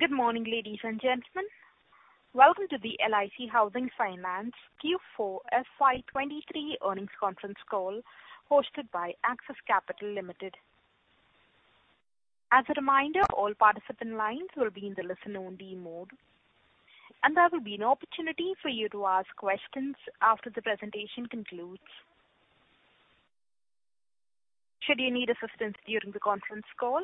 Good morning, ladies and gentlemen. Welcome to the LIC Housing Finance Q4 FY23 Earnings Conference Call hosted by Axis Capital Limited. As a reminder, all participant lines will be in the listen only mode, and there will be an opportunity for you to ask questions after the presentation concludes. Should you need assistance during the conference call,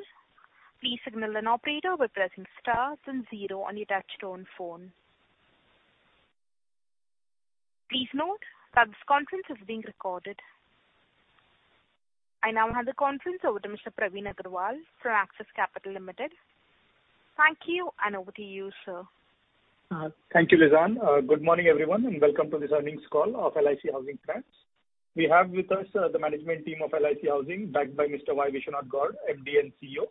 please signal an operator by pressing star then zero on your touchtone phone. Please note that this conference is being recorded. I now hand the conference over to Mr. Praveen Agarwal from Axis Capital Limited. Thank you, and over to you, sir. Thank you, Lizan. Good morning, everyone. Welcome to this earnings call of LIC Housing Finance. We have with us the management team of LIC Housing, backed by Mr. Y. Viswanatha Gowd, MD and CEO;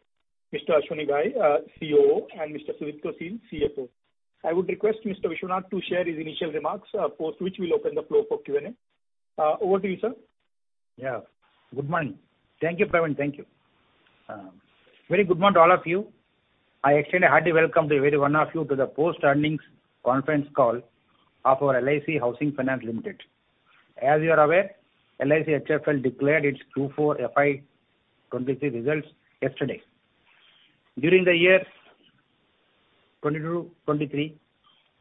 Mr. Ashwani Ghai, COO; and Mr. Sudipto Sil, CFO. I would request Mr. Vishwanath to share his initial remarks, post which we'll open the floor for Q&A. Over to you, sir. Yeah. Good morning. Thank you, Praveen. Thank you. Very good morning to all of you. I extend a hearty welcome to every one of you to the post-earnings conference call of our LIC Housing Finance Limited. As you are aware, LIC HFL declared its Q4 FY 2023 results yesterday. During the year 2022, 2023,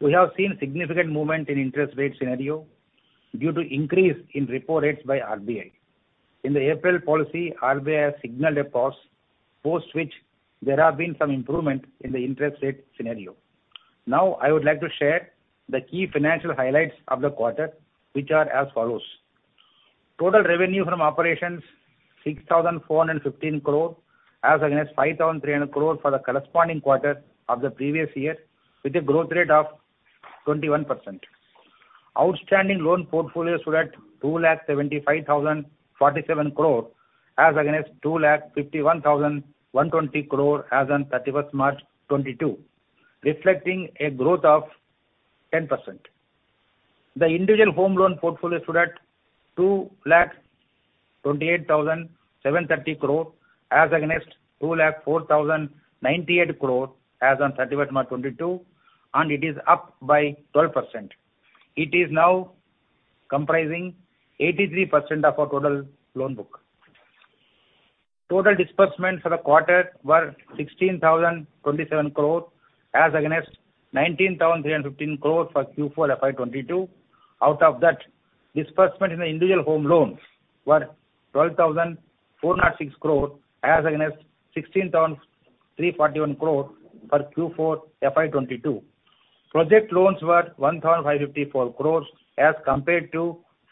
we have seen significant movement in interest rate scenario due to increase in repo rates by RBI. In the April policy, RBI has signaled a pause, post which there have been some improvement in the interest rate scenario. I would like to share the key financial highlights of the quarter, which are as follows. Total revenue from operations 6,415 crore as against 5,300 crore for the corresponding quarter of the previous year with a growth rate of 21%. Outstanding loan portfolio stood at 275,047 crore as against 251,120 crore as on March 31, 2022, reflecting a growth of 10%. The individual home loan portfolio stood at 228,730 crore as against 204,098 crore as on March 31, 2022, it is up by 12%. It is now comprising 83% of our total loan book. Total disbursements for the quarter were 16,027 crore as against 19,315 crore for Q4 FY 2022. Out of that, disbursement in the individual home loans were 12,406 crore as against 16,341 crore for Q4 FY 2022. Project loans were 1,554 crore as compared to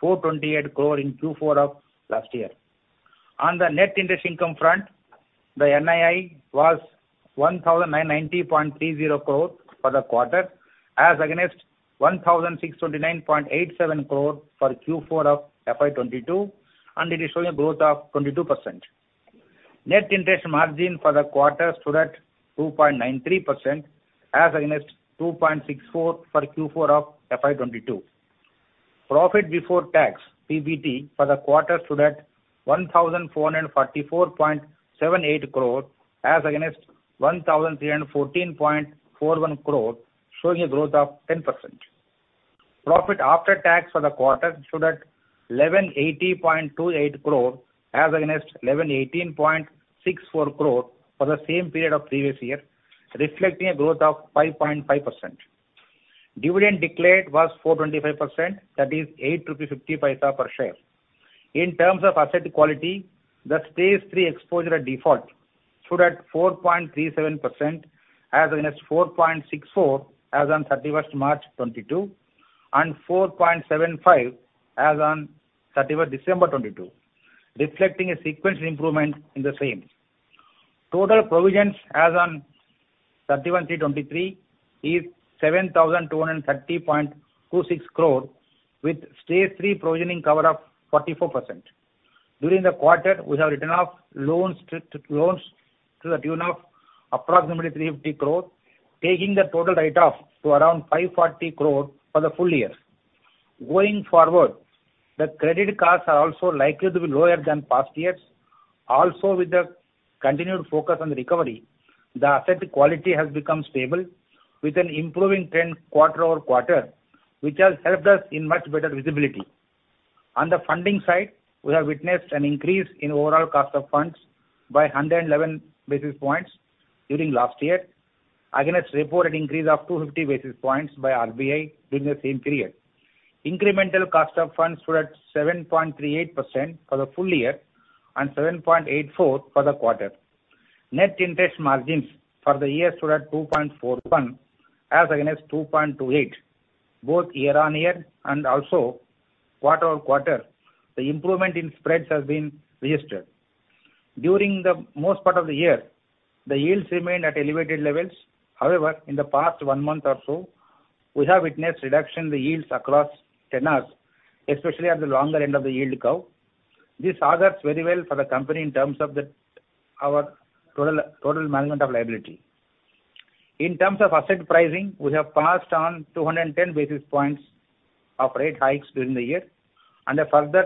428 crore in Q4 of last year. On the net interest income front, the NII was 1,990.30 crore for the quarter as against 1,629.87 crore for Q4 of FY22. It is showing a growth of 22%. Net interest margin for the quarter stood at 2.93% as against 2.64% for Q4 of FY22. Profit before tax, PBT, for the quarter stood at 1,444.78 crore as against 1,314.41 crore, showing a growth of 10%. Profit after tax for the quarter stood at 1,180.28 crore as against 1,118.64 crore for the same period of previous year, reflecting a growth of 5.5%. Dividend declared was 425%, that is 8.50 rupees per share. In terms of asset quality, the stage three exposure at default stood at 4.37% as against 4.64% as on 31st March 2022, and 4.75% as on 31st December 2022, reflecting a sequential improvement in the same. Total provisions as on 31st March 2023 is 7,230.26 crore with stage three provisioning cover of 44%. During the quarter, we have written off loans to the tune of approximately 350 crore, taking the total write-off to around 540 crore for the full year. The credit costs are also likely to be lower than past years. With the continued focus on recovery, the asset quality has become stable with an improving trend quarter-over-quarter, which has helped us in much better visibility. We have witnessed an increase in overall cost of funds by 111 basis points during last year against reported increase of 250 basis points by RBI during the same period. Incremental cost of funds stood at 7.38% for the full year and 7.84% for the quarter. Net interest margins for the year stood at 2.41% as against 2.28%. Year-on-year and also quarter-on-quarter, the improvement in spreads has been registered. During the most part of the year, the yields remained at elevated levels. In the past one month or so, we have witnessed reduction in the yields across tenors, especially at the longer end of the yield curve. This augurs very well for the company in terms of our total management of liability. In terms of asset pricing, we have passed on 210 basis points of rate hikes during the year and a further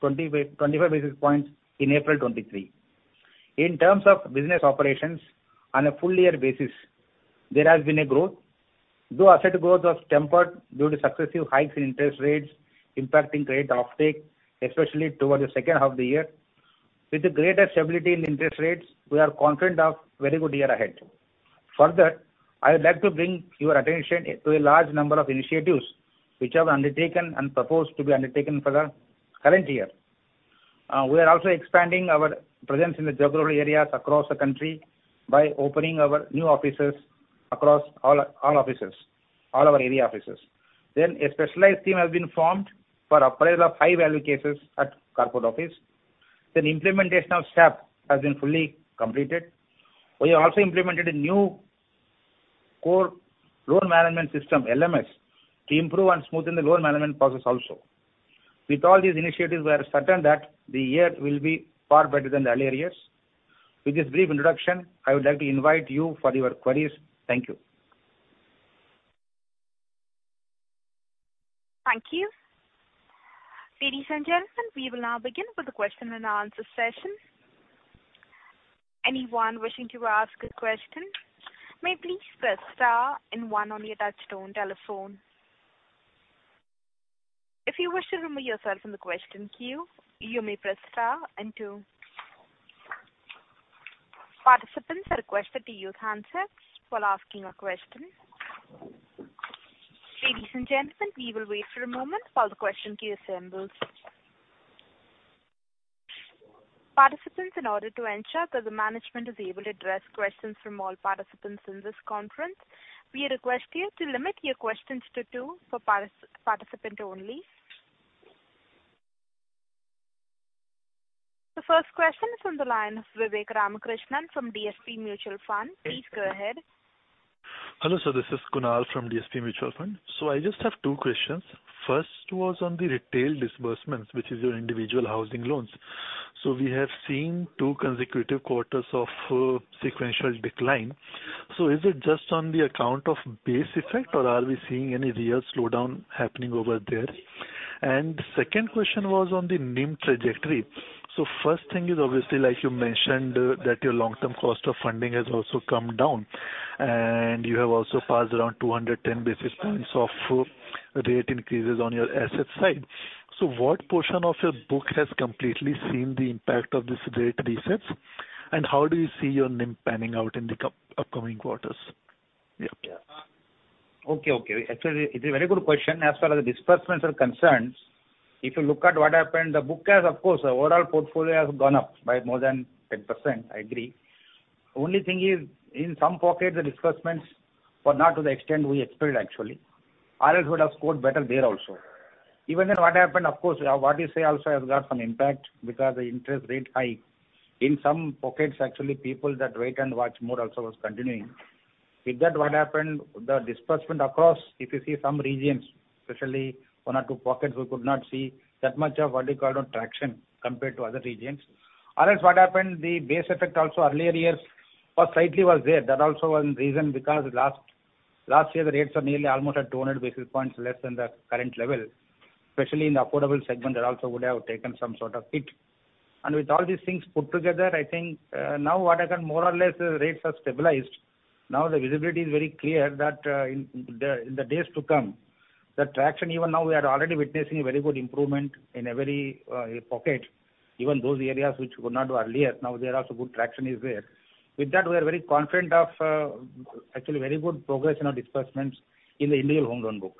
25 basis points in April 2023. In terms of business operations on a full year basis, there has been a growth, though asset growth was tempered due to successive hikes in interest rates impacting rate offtake, especially towards the second half of the year. With the greater stability in interest rates, we are confident of very good year ahead. Further, I would like to bring your attention to a large number of initiatives which are undertaken and proposed to be undertaken for the current year. We are also expanding our presence in the geographical areas across the country by opening our new offices across all offices, all our area offices. A specialized team has been formed for appraisal of high-value cases at corporate office. Implementation of SAP has been fully completed. We have also implemented a new core loan management system, LMS, to improve and smoothen the loan management process also. With all these initiatives, we are certain that the year will be far better than the earlier years. With this brief introduction, I would like to invite you for your queries. Thank you. Thank you. Ladies and gentlemen, we will now begin with the question and answer session. Anyone wishing to ask a question may please press star and one on your touchtone telephone. If you wish to remove yourself from the question queue, you may press star and two. Participants are requested to use handsets while asking a question. Ladies and gentlemen, we will wait for a moment while the question queue assembles. Participants, in order to ensure that the management is able to address questions from all participants in this conference, we request you to limit your questions to two per participant only. The first question is on the line of Vivek Ramakrishnan from DSP Mutual Fund. Please go ahead. Hello, sir, this is Kunal from DSP Mutual Fund. I just have two questions. First was on the retail disbursements, which is your individual housing loans. We have seen two consecutive quarters of sequential decline. Is it just on the account of base effect or are we seeing any real slowdown happening over there? Second question was on the NIM trajectory. First thing is obviously like you mentioned, that your long-term cost of funding has also come down and you have also passed around 210 basis points of rate increases on your asset side. What portion of your book has completely seen the impact of this rate resets, and how do you see your NIM panning out in the upcoming quarters? Yeah. Okay. Okay. Actually, it's a very good question. As far as the disbursements are concerned, if you look at what happened, the book has of course, the overall portfolio has gone up by more than 10%. I agree. Only thing is in some pockets the disbursements were not to the extent we expected actually. Or else we would have scored better there also. Even then, what happened, of course, what you say also has got some impact because the interest rate hike in some pockets actually people that wait and watch more also was continuing. With that, what happened, the disbursement across, if you see some regions, especially one or two pockets, we could not see that much of what you call the traction compared to other regions. Or else what happened, the base effect also earlier years was slightly was there. That also one reason because last year the rates are nearly almost at 200 basis points less than the current level, especially in the affordable segment, that also would have taken some sort of hit. With all these things put together, I think, now what happened more or less the rates are stabilized. Now the visibility is very clear that in the days to come, the traction even now we are already witnessing a very good improvement in every pocket. Even those areas which were not earlier, now there also good traction is there. With that, we are very confident of actually very good progress in our disbursements in the individual home loan book.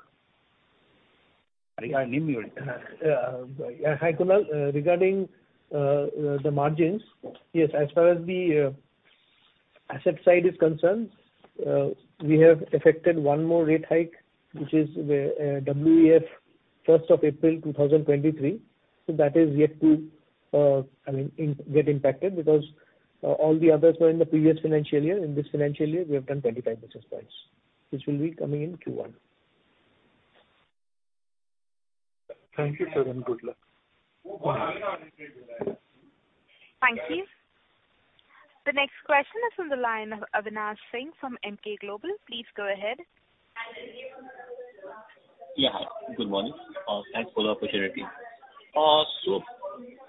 Sudipto you want to- Hi, Kunal. Regarding the margins, yes, as far as the asset side is concerned, we have effected one more rate hike, which is the w.e.f. April 1, 2023. That is yet to get impacted because all the others were in the previous financial year. In this financial year, we have done 25 basis points, which will be coming in Q1. Thank you, sir, and good luck. Thank you. The next question is on the line, Avinash Singh from Emkay Global. Please go ahead. Yeah. Hi, good morning. Thanks for the opportunity.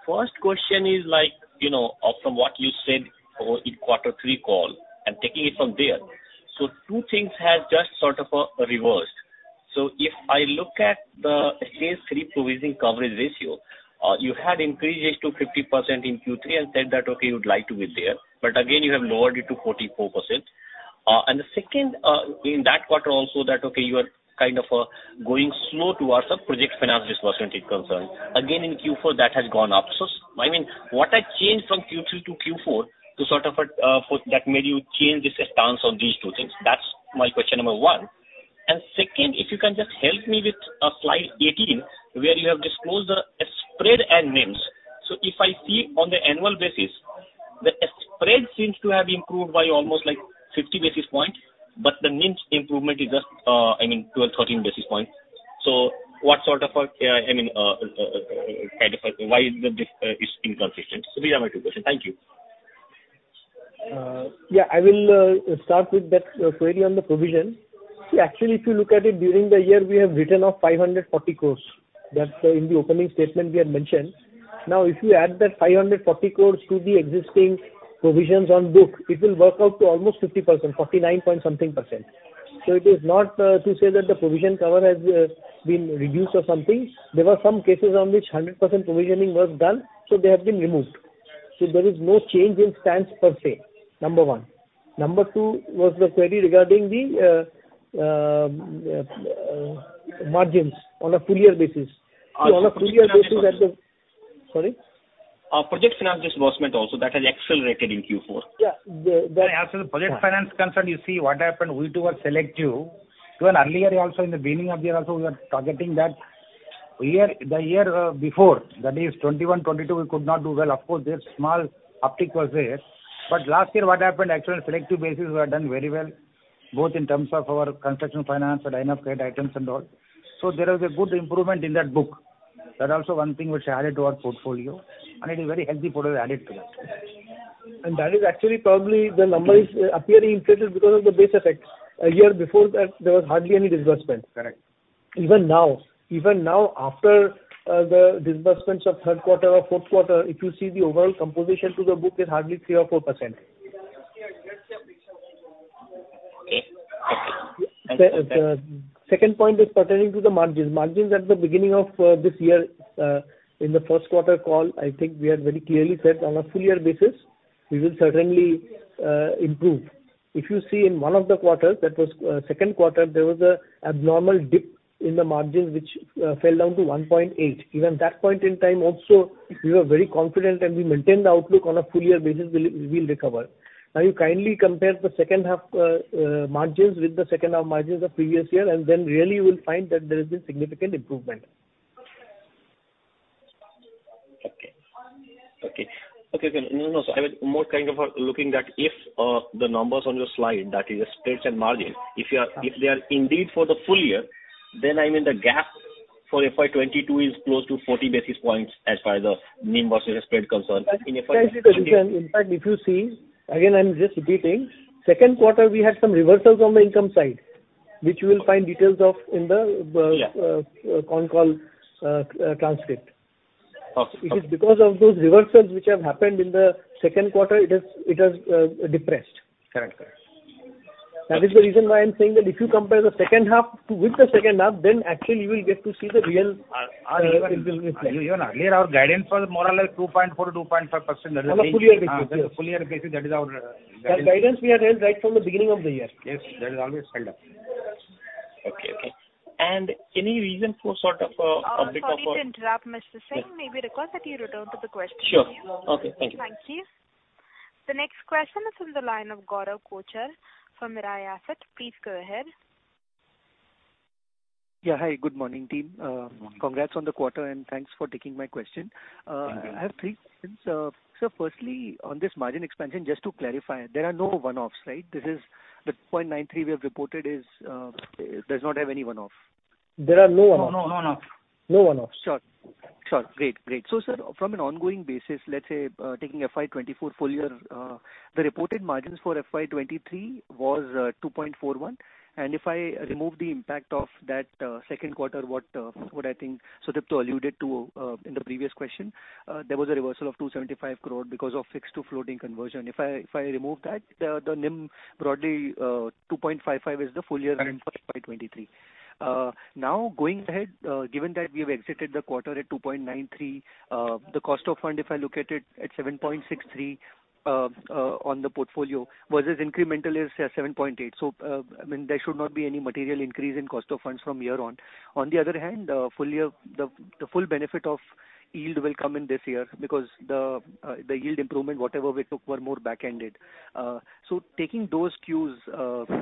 First question is like, you know, from what you said over in Q3 call and taking it from there. Two things have just sort of reversed. If I look at the stage three provisioning coverage ratio, you had increased it to 50% in Q3 and said that okay, you would like to be there, but again you have lowered it to 44%. The second, in that quarter also that okay, you are kind of going slow towards the project finance disbursement is concerned. Again, in Q4 that has gone up. I mean, what has changed from Q3 to Q4 to sort of for that made you change this stance on these two things? That's my question number one. Second, if you can just help me with, slide 18 where you have disclosed the spread and NIMs. If I see on the annual basis, the spread seems to have improved by almost like 50 basis points, but the NIMs improvement is just, I mean, 12, 13 basis points. What sort of, I mean, kind of, why is inconsistent? These are my two questions. Thank you. Yeah, I will start with that query on the provision. Actually, if you look at it during the year, we have written off 540 crores. That's in the opening statement we had mentioned. If you add that 540 crores to the existing provisions on book, it will work out to almost 50%, 49% point something. It is not to say that the provision cover has been reduced or something. There were some cases on which 100% provisioning was done, so they have been removed. There is no change in stance per se. Number one. Number two was the query regarding the margins on a full year basis. Project finance disbursement- See, on a full year basis at the... Sorry? Project finance disbursement also, that has accelerated in Q4. Yeah. As far as the project finance concerned, you see what happened, we too were selective. Even earlier also in the beginning of the year also we were targeting that. The year before, that is 2021, 2022, we could not do well. Of course, this small uptick was there. Last year, what happened, actually on a selective basis we have done very well, both in terms of our construction finance and enough credit items and all. There is a good improvement in that book. That also one thing which added to our portfolio, and it is very healthy portfolio added to us. That is actually probably the number is appearing inflated because of the base effects. A year before that there was hardly any disbursement. Correct. Even now, after the disbursements of third quarter or fourth quarter, if you see the overall composition to the book is hardly 3% or 4%. Okay. Thank you. The second point is pertaining to the margins. Margins at the beginning of this year, in the first quarter call, I think we had very clearly said on a full year basis we will certainly improve. If you see in one of the quarters, that was second quarter, there was a abnormal dip in the margins which fell down to 1.8%. Even that point in time also, we were very confident and we maintained the outlook on a full year basis will recover. You kindly compare the second half margins with the second half margins of previous year, and then really you will find that there has been significant improvement. Okay. Okay. Okay, then. No, no, I was more kind of looking that if the numbers on your slide, that is spreads and margins, if you are, if they are indeed for the full year, then, I mean, the gap for FY2022 is close to 40 basis points as far as the NIM versus spread concerned. In FY2020- That is the reason. In fact, if you see, again, I'm just repeating, second quarter we had some reversals on the income side, which you will find details of in the. Yeah. con call, transcript. Okay. It is because of those reversals which have happened in the second quarter, it has depressed. Correct. Correct. That is the reason why I'm saying that if you compare the second half with the second half, then actually you will get to see the real improvement. Even earlier, our guidance was more or less 2.4%, 2.5%. On a full year basis. Yes. On a full year basis. That is our. That guidance we have held right from the beginning of the year. Yes. That is always held up. Okay. Okay. Any reason for sort of, a bit of... Sorry to interrupt, Mr. Singh. May we request that you return to the question? Sure. Okay. Thank you. Thank you. The next question is from the line of Gaurav Kochar from Mirae Asset. Please go ahead. Yeah. Hi, good morning, team. Congrats on the quarter, and thanks for taking my question. I have three questions. Firstly, on this margin expansion, just to clarify, there are no one-offs, right? This is the 0.93 we have reported is, does not have any one-off. There are no one-offs. No, no one-offs. No one-offs. Sure. Sure. Great. Great. Sir, from an ongoing basis, let's say, taking FY2024 full year, the reported margins for FY2023 was 2.41%. If I remove the impact of that second quarter, what I think Sudipto alluded to in the previous question, there was a reversal of 275 crore because of fixed to floating conversion. If I remove that, the NIM broadly, 2.55% is the full year- Correct. in FY2023. Now going ahead, given that we have exited the quarter at 2.93%, the cost of fund, if I look at it at 7.63%, on the portfolio versus incremental is at 7.8%. I mean, there should not be any material increase in cost of funds from here on. On the other hand, full year, the full benefit of yield will come in this year because the yield improvement, whatever we took, were more back-ended. Taking those cues,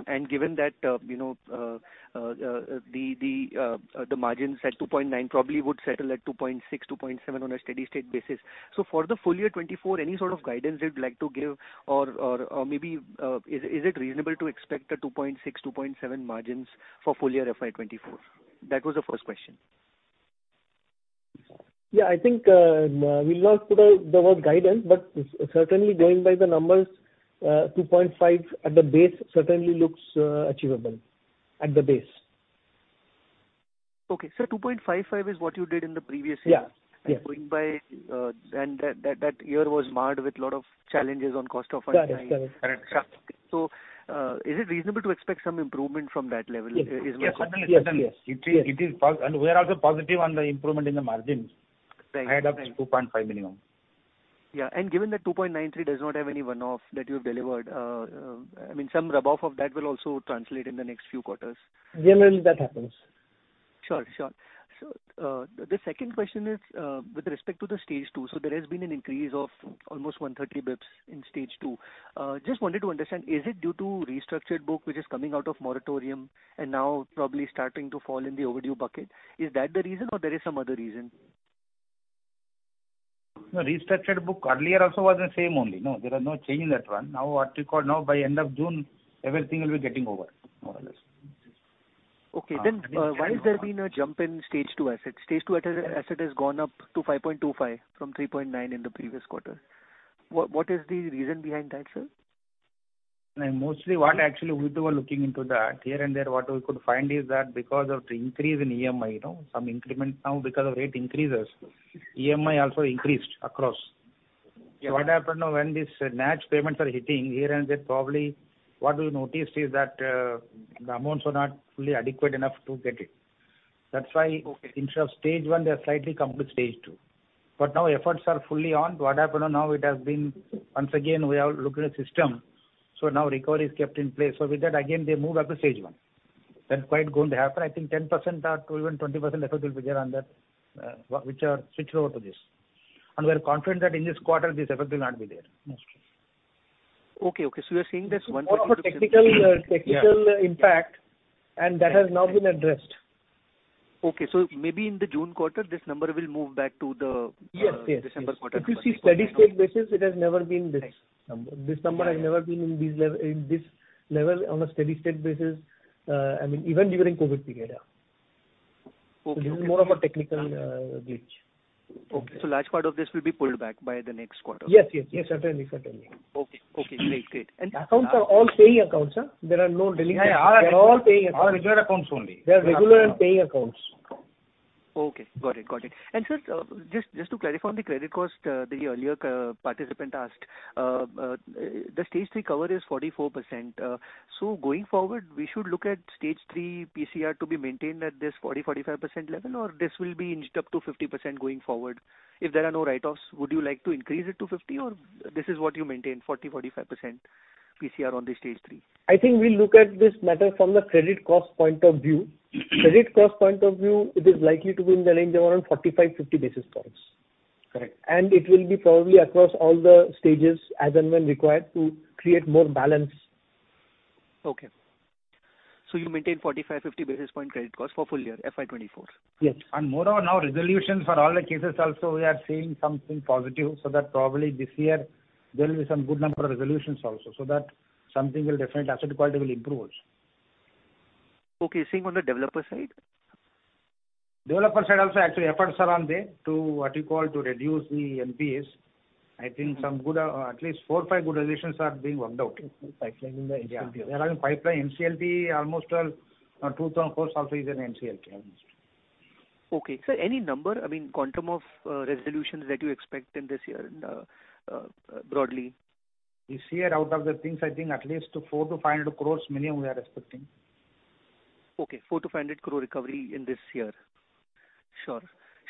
and given that, you know, the margins at 2.9% probably would settle at 2.6%, 2.7% on a steady state basis. For the full year 2024, any sort of guidance you'd like to give or maybe, is it reasonable to expect a 2.6%, 2.7% margins for full year FY 2024? That was the first question. Yeah, I think, we'll not put out the word guidance, but certainly going by the numbers, 2.5% at the base certainly looks achievable. At the base. Okay. 2.55% is what you did in the previous year. Yeah. Yeah. Going by, and that year was marred with a lot of challenges on cost of funding. Correct. Correct. Correct. Is it reasonable to expect some improvement from that level is my question? Yes. Certainly. Certainly. Yes. Yes. It is. We are also positive on the improvement in the margins. Right. Right. Ahead of 2.5% minimum. Yeah. given that 2.93% does not have any one-off that you've delivered, I mean, some rub-off of that will also translate in the next few quarters. Generally that happens. Sure, sure. The second question is, with respect to the stage two. There has been an increase of almost 130 basis points in Stage two. Just wanted to understand, is it due to restructured book which is coming out of moratorium and now probably starting to fall in the overdue bucket? Is that the reason or there is some other reason? No, restructured book earlier also was the same only. No, there was no change in that one. Now what we call now by end of June, everythsng will be getting over more or less. Okay. Why has there been a jump in stage two assets? Stage two asset has gone up to 5.25% from 3.9% in the previous quarter. What is the reason behind that, sir? Mostly what actually we too are looking into that. Here and there, what we could find is that because of the increase in EMI, you know, some increment now because of rate increases, EMI also increased across. Yeah. What happened now when these matched payments are hitting here and there, probably what we noticed is that the amounts were not fully adequate enough to get it. That's why. Okay. In terms of stage one, they have slightly come to stage two. Now efforts are fully on. What happened now it has been once again, we are looking at system, so now recovery is kept in place. With that again, they move up to stage one. That's quite going to happen. I think 10% or even 20% effort will be there on that, which are switched over to this. We are confident that in this quarter this effect will not be there mostly. Okay, okay. you're saying this one-. More of a technical impact, and that has now been addressed. Okay. maybe in the June quarter, this number will move back to the. Yes, yes. December quarter. If you see steady-state basis, it has never been this number. This number has never been in this level on a steady-state basis, I mean even during COVID period. Okay. This is more of a technical glitch. Okay. large part of this will be pulled back by the next quarter? Yes, yes. Yes, certainly. Okay, okay. Great. Great. Accounts are all paying accounts, there are no relief. Yeah, yeah. They're all paying accounts. All regular accounts only. They are regular and paying accounts. Okay. Got it. Got it. Sir, just to clarify on the credit cost, the earlier participant asked, the stage three cover is 44%. Going forward, we should look at stage three PCR to be maintained at this 40%-45% level, or this will be inched up to 50% going forward? If there are no write-offs, would you like to increase it to 50% or this is what you maintain, 40%-45% PCR on the stage three? I think we look at this matter from the credit cost point of view. Credit cost point of view, it is likely to be in the range of around 45-50 basis points. Correct. It will be probably across all the stages as and when required to create more balance. Okay. You maintain 45-50 basis point credit cost for full year FY2024? Yes. Moreover now resolutions for all the cases also we are seeing something positive, so that probably this year there will be some good number of resolutions also, so that something will definitely, asset quality will improve also. Okay. Same on the developer side? Developer side also actually efforts are on there to, what you call, to reduce the NPAs. I think some good, at least four, five good relations are being worked out. Okay. Pipeline in the NCLT. Yeah. They are in pipeline NCLT almost, 2004 also is in NCLT almost. Okay. Sir, any number, I mean, quantum of resolutions that you expect in this year broadly? This year, out of the things, I think at least 400 crore-500 crore minimum we are expecting. Okay. 400 crore-500 crore recovery in this year. Sure.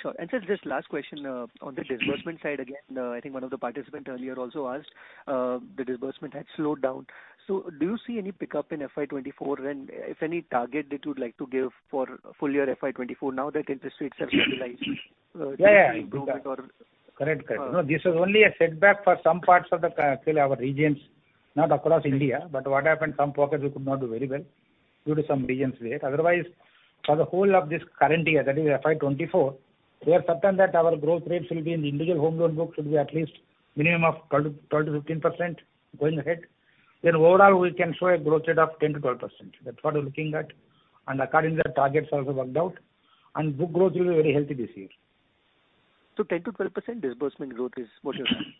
Sure. Sir, just last question on the disbursement side again? I think one of the participant earlier also asked, the disbursement had slowed down. Do you see any pickup in FY2024? If any target that you'd like to give for full year FY2024 now that interest rates are stabilized? Yeah, yeah. Improvement or- Correct. Correct. This is only a setback for some parts of our regions, not across India. What happened, some pockets we could not do very well due to some regions there. For the whole of this current year, that is FY2024, we are certain that our growth rates will be in the individual home loan book should be at least minimum of 12%-15% going ahead. Overall, we can show a growth rate of 10%-12%. That's what we're looking at. According to that, targets also worked out. Book growth will be very healthy this year. 10%-12% disbursement growth is what you're saying?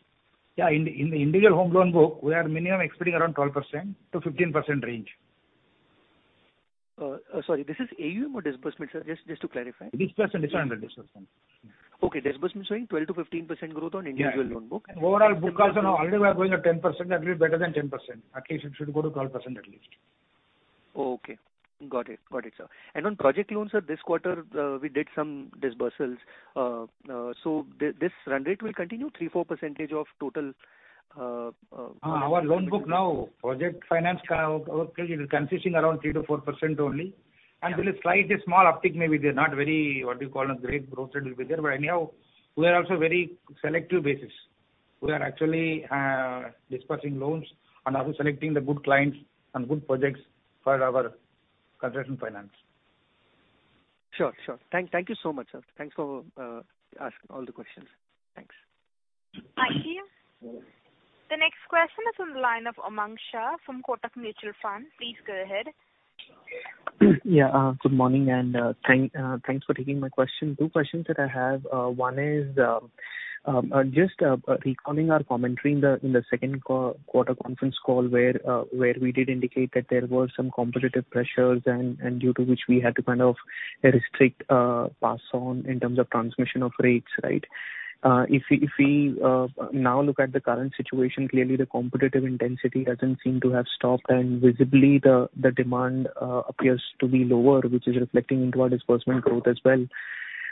Yeah. In the individual home loan book, we are minimum expecting around 12%-15% range. Sorry, this is AUM or disbursement, sir? Just to clarify. Disbursement. This one is disbursement. Okay. Disbursement showing 12%-15% growth on individual loan book. Yeah. Overall book also now already we are growing at 10%, a little better than 10%. At least it should go to 12% at least. Okay. Got it. Got it, sir. On project loans, sir, this quarter, we did some disbursements. So this run rate will continue, 3%, 4% of total. Our loan book now, project finance, okay, it is consisting around 3%-4% only. There is slightly small uptick maybe they're not very, what do you call, a great growth rate will be there. Anyhow, we are also very selective basis. We are actually disbursing loans and also selecting the good clients and good projects for our construction finance. Sure. Sure. Thank you so much, sir. Thanks for asking all the questions. Thanks. Thank you. The next question is on the line of Aman Shah from Kotak Mutual Fund. Please go ahead. Yeah. good morning, and thanks for taking my question. Two questions that I have. One is just recalling our commentary in the second quarter conference call where we did indicate that there were some competitive pressures and due to which we had to kind of restrict pass on in terms of transmission of rates, right? If we now look at the current situation, clearly the competitive intensity doesn't seem to have stopped, and visibly the demand appears to be lower, which is reflecting into our disbursement growth as well.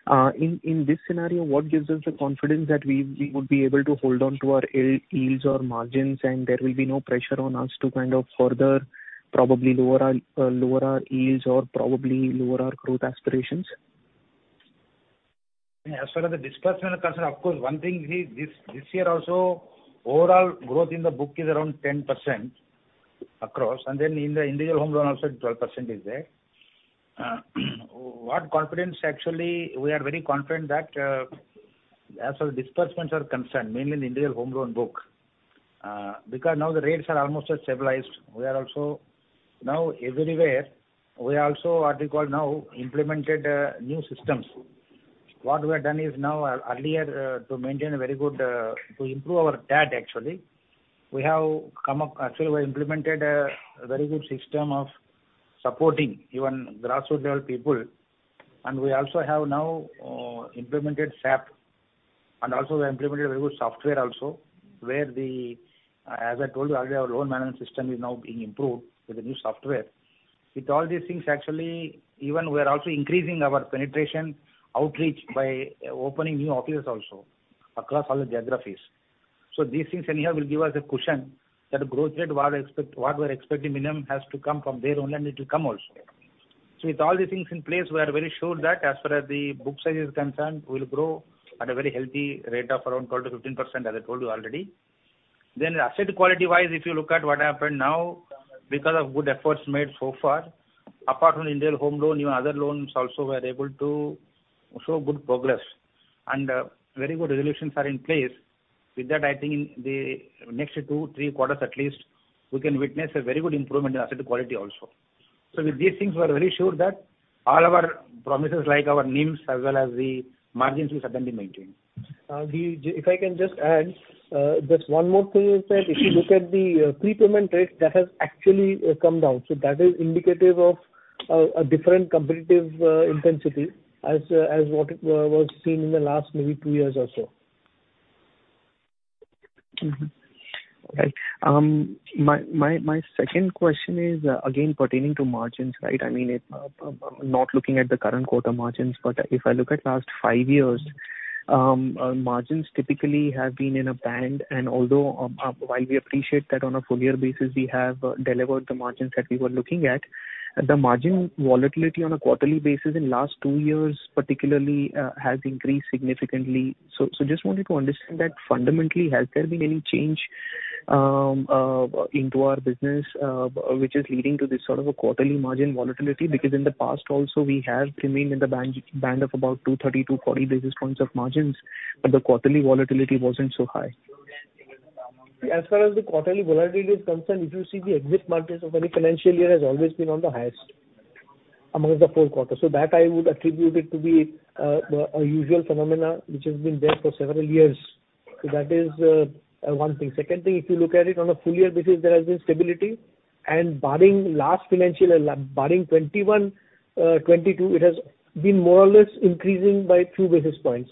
In this scenario, what gives us the confidence that we would be able to hold on to our yields or margins, and there will be no pressure on us to kind of further probably lower our lower our yields or probably lower our growth aspirations? As far as the disbursement is concerned, of course, one thing we this year also, overall growth in the book is around 10% across. In the individual home loan also 12% is there. What confidence actually, we are very confident that, as the disbursements are concerned, mainly in the India home loan book, because now the rates are almost as stabilized. We are also now everywhere, we also what we call now implemented, new systems. What we have done is now earlier, to maintain a very good, to improve our debt actually, we have come up, actually we implemented a very good system of supporting even grassroot level people. We also have now implemented SAP and also we have implemented a very good software also, where the, as I told you earlier, our loan management system is now being improved with the new software. With all these things, actually even we are also increasing our penetration outreach by opening new offices also across all the geographies. These things anyhow will give us a cushion that growth rate what we're expecting minimum has to come from their own end, it will come also. With all these things in place, we are very sure that as far as the book size is concerned, we'll grow at a very healthy rate of around 12%-15% as I told you already. Asset quality-wise, if you look at what happened now because of good efforts made so far, apart from India home loan, even other loans also were able to show good progress and very good resolutions are in place. With that, I think in the next two, three quarters at least, we can witness a very good improvement in asset quality also. With these things we are very sure that all of our promises like our NIMs as well as the margins will certainly maintain. If I can just add, just one more thing is that if you look at the prepayment rate, that has actually come down. That is indicative of a different competitive intensity as what was seen in the last maybe two years or so. Right. My, my second question is again pertaining to margins, right? I mean, it not looking at the current quarter margins, but if I look at last five years, margins typically have been in a band. although while we appreciate that on a full year basis, we have delivered the margins that we were looking at. The margin volatility on a quarterly basis in last two years particularly has increased significantly. Just wanted to understand that fundamentally, has there been any change into our business which is leading to this sort of a quarterly margin volatility? Because in the past also we have remained in the band of about 230, 240 basis points of margins, but the quarterly volatility wasn't so high. As far as the quarterly volatility is concerned, if you see the exit margins of any financial year has always been on the highest among the four quarters. That I would attribute it to be the a usual phenomena which has been there for several years. That is one thing. Second thing, if you look at it on a full year basis, there has been stability. Barring last financial and barring 2021, 2022, it has been more or less increasing by 2 basis points.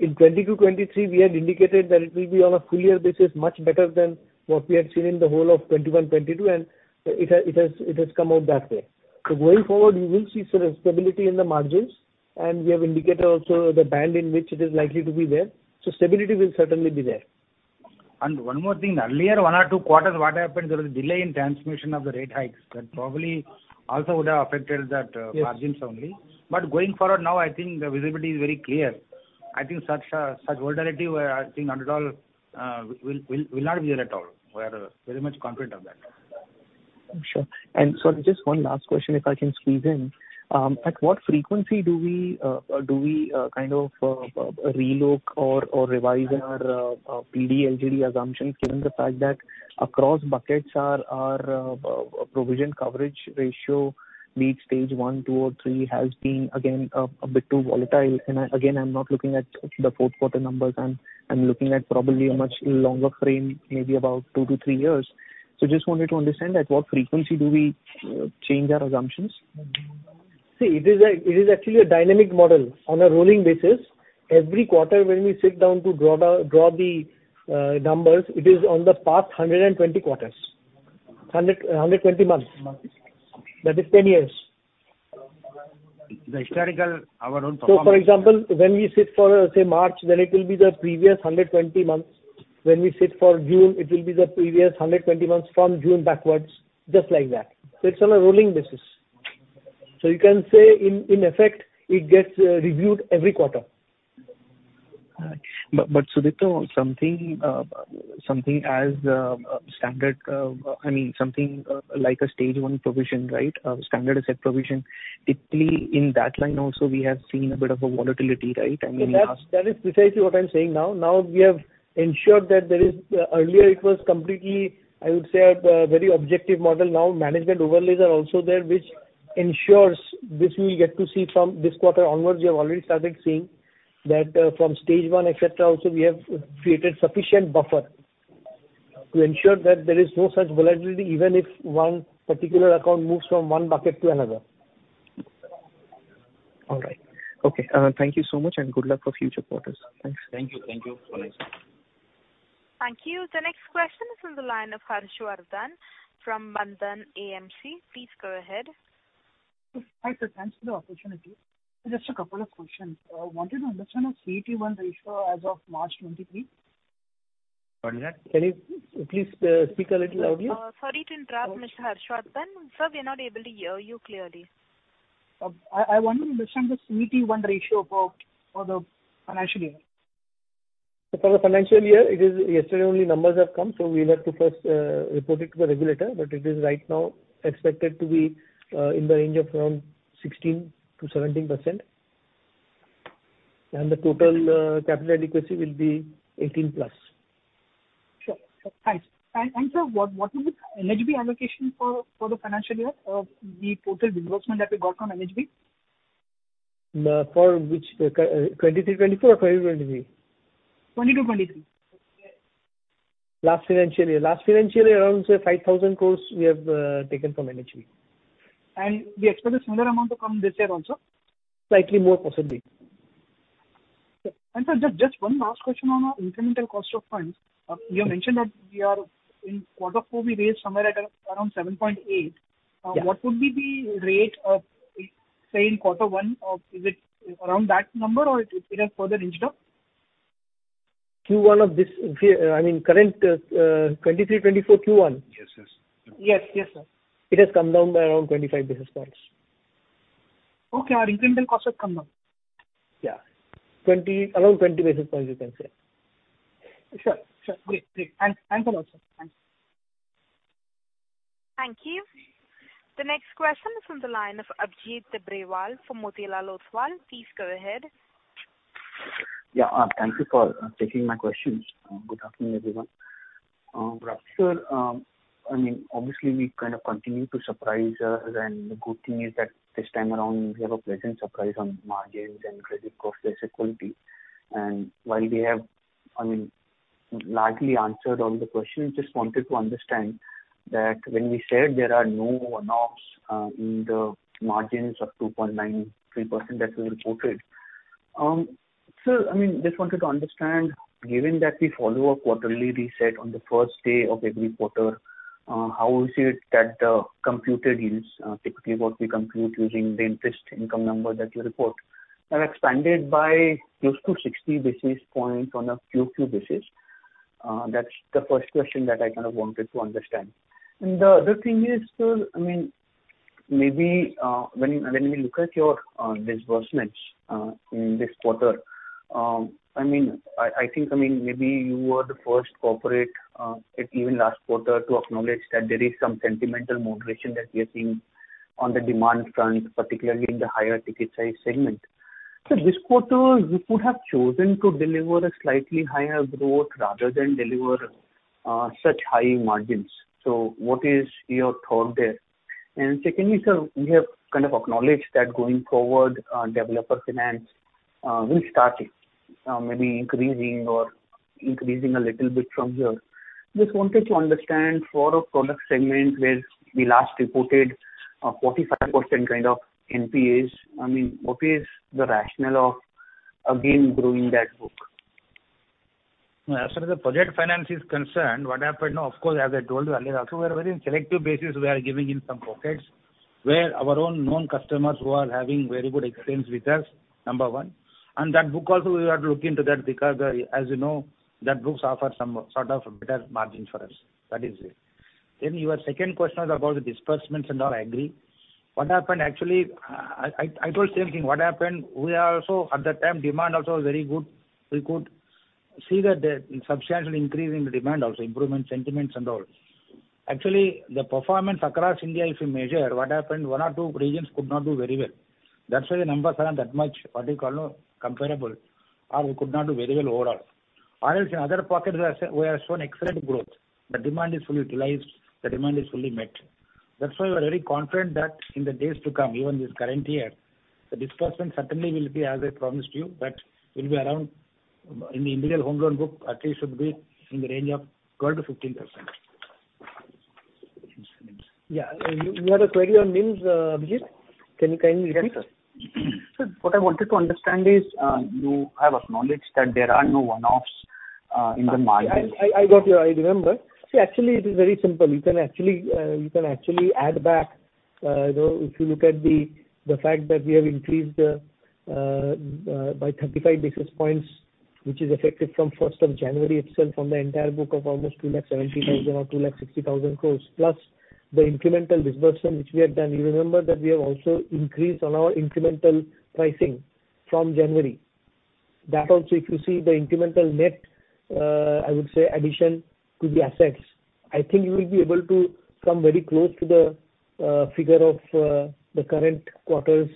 In 2022, 2023, we had indicated that it will be on a full year basis, much better than what we had seen in the whole of 2021, 2022, and it has come out that way. Going forward you will see sort of stability in the margins, and we have indicated also the band in which it is likely to be there. Stability will certainly be there. One more thing. Earlier, one or two quarters, what happened there was delay in transmission of the rate hikes. That probably also would have affected that. Yes. margins only. Going forward now, I think the visibility is very clear. I think such volatility where I think not at all, will not be there at all. We are very much confident of that. I'm sure. Sorry, just one last question if I can squeeze in. At what frequency do we kind of relook or revise our PD LGD assumptions, given the fact that across buckets our provision coverage ratio be it stage one, two or three, has been again a bit too volatile? Again, I'm not looking at the fourth quarter numbers, I'm looking at probably a much longer frame, maybe about two to three years. Just wanted to understand at what frequency do we change our assumptions? See, it is a, it is actually a dynamic model on a rolling basis. Every quarter when we sit down to draw the numbers, it is on the past 120 quarters. 120 months. That is 10 years. The historical, our own performance- For example, when we sit for, say, March, then it will be the previous 120 months. When we sit for June, it will be the previous 120 months from June backwards, just like that. It's on a rolling basis. You can say in effect, it gets reviewed every quarter. All right. Sudipto, something as standard, I mean something like a stage one provision, right? Standard asset provision, typically in that line also we have seen a bit of a volatility, right? I mean last- That is precisely what I'm saying now. Now we have ensured that there is. Earlier it was completely, I would say a very objective model. Now management overlays are also there, which ensures, which we get to see from this quarter onwards. We have already started seeing that from stage one, et cetera, also we have created sufficient buffer to ensure that there is no such volatility, even if one particular account moves from one bucket to another. All right. Okay. Thank you so much and good luck for future quarters. Thanks. Thank you. Thank you. Have a nice day. Thank you. The next question is on the line of Harshvardhan from Bandhan AMC. Please go ahead. Hi, sir. Thanks for the opportunity. Just a couple of questions. wanted to understand the CET1 ratio as of March 2023. What is that? Can you please speak a little louder? Sorry to interrupt, Mr. Harshvardhan. Sir, we are not able to hear you clearly. I want to understand the CET1 ratio for the financial year. For the financial year, it is yesterday only numbers have come, so we'll have to first report it to the regulator. It is right now expected to be in the range of around 16%-17%. The total capital adequacy will be 18%+. Sure. Sure. Thanks. Sir, what is the NHB allocation for the financial year of the total disbursement that we got from NHB? For which, 2023, 2024 or 2023? 2022, 2023. Last financial year. Last financial year around, say, 5,000 crores we have taken from NHB. We expect a similar amount to come this year also? Slightly more possibly. Sure. Sir, just one last question on our incremental cost of funds. You mentioned that we are in quarter four we raised somewhere around 7.8%. Yeah. What would be the rate of, say, in quarter one, or is it around that number or it has further inched up? Q1 of this year, I mean, current 2023-2024 Q1? Yes, yes. Yes. Yes, sir. It has come down by around 25 basis points. Okay. Our incremental cost has come down. Yeah. 20, around 20 basis points you can say. Sure. Great. Thanks. Thanks a lot, sir. Thanks. Thank you. The next question is from the line of Abhijit Tibrewal from Motilal Oswal. Please go ahead. Yeah. Thank you for taking my questions. Good afternoon, everyone. Raju, obviously we kind of continue to surprise us, and the good thing is that this time around we have a pleasant surprise on margins and credit cost discipline. While we have largely answered all the questions, just wanted to understand that when we said there are no one-offs in the margins of 2.93% that we reported. Just wanted to understand, given that we follow a quarterly reset on the first day of every quarter, how is it that the computed yields, typically what we compute using the interest income number that you report, have expanded by close to 60 basis points on a Q2 basis. That's the first question that I kind of wanted to understand. The other thing is, sir, maybe when we look at your disbursements in this quarter, I think maybe you were the first corporate at even last quarter to acknowledge that there is some sentimental moderation that we are seeing on the demand front, particularly in the higher ticket size segment. This quarter you could have chosen to deliver a slightly higher growth rather than deliver such high margins. What is your thought there? Secondly, sir, we have kind of acknowledged that going forward, developer finance will start maybe increasing a little bit from here. Just wanted to understand for a product segment where we last reported 45% kind of NPAs, what is the rationale of again growing that book? As far as the project finance is concerned, what happened now, of course, as I told you earlier also, we are very selective basis we are giving in some pockets where our own known customers who are having very good experience with us, number one. That book also we have to look into that because, as you know, that books offer some sort of better margin for us. That is it. Your second question was about the disbursements and all, I agree. What happened actually, I told same thing. What happened, we are also at that time demand also was very good. We could see that the substantial increase in the demand also, improvement sentiments and all. Actually, the performance across India, if you measure what happened, one or two regions could not do very well. That's why the numbers are not that much, what do you call, comparable, or we could not do very well overall. In other pockets we have shown excellent growth. The demand is fully utilized, the demand is fully met. That's why we are very confident that in the days to come, even this current year, the disbursement certainly will be as I promised you, that will be around in the individual home loan book, at least should be in the range of 12%-15%. Yeah. You, you had a query on NIMs, Abhijit Tibrewal. Can you kindly repeat? Yes, sir. Sir, what I wanted to understand is, you have acknowledged that there are no one-offs, in the margins. I got you. I remember. See, actually it is very simple. You can actually, you can actually add back, you know, if you look at the fact that we have increased by 35 basis points, which is effective from 1st of January itself on the entire book of almost 270,000 crores or 260,000 crores, plus the incremental disbursement which we have done. You remember that we have also increased on our incremental pricing from January. That also if you see the incremental net, I would say addition to the assets, I think you will be able to come very close to the figure of the current quarter's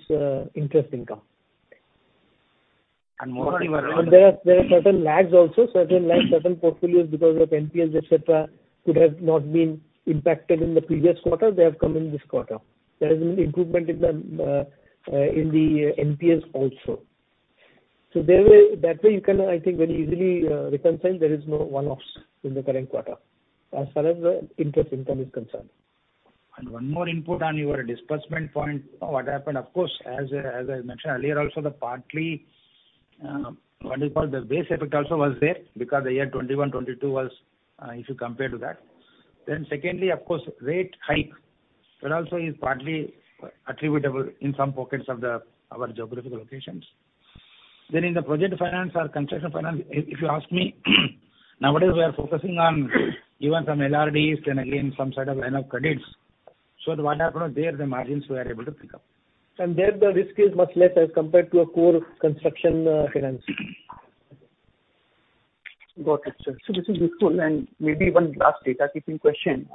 interest income. Moreover. There are certain lags also. Certain lags, certain portfolios because of NPAs, et cetera, could have not been impacted in the previous quarter. They have come in this quarter. There has been improvement in the NPAs also. That way you can, I think, very easily reconcile there is no one-offs in the current quarter as far as the interest income is concerned. One more input on your disbursement point. What happened of course, as I mentioned earlier also, the partly, what do you call, the base effect also was there because the year 2021, 2022 was if you compare to that. Secondly, of course, rate hike that also is partly attributable in some pockets of the, our geographical locations. In the project finance or construction finance, if you ask me, nowadays we are focusing on even some LRDs, then again some sort of line of credits. The INR 1.5 crore there the margins we are able to pick up. There the risk is much less as compared to a core construction, finance. Got it, sir. This is useful and maybe one last data keeping question.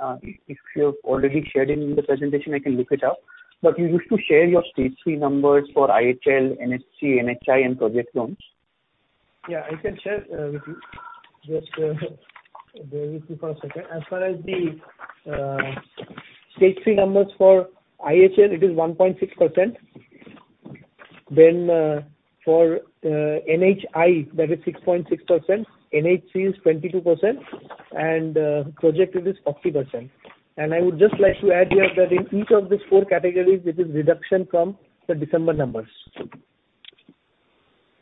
If you have already shared in the presentation, I can look it up. You used to share your stage three numbers for IHL, NHC, NHI and project loans. Yeah, I can share with you. Just bear with me for a second. As far as the stage three numbers for IHL, it is 1.6%. For NHI that is 6.6%, NHC is 22% and project it is 40%. I would just like to add here that in each of these four categories it is reduction from the December numbers.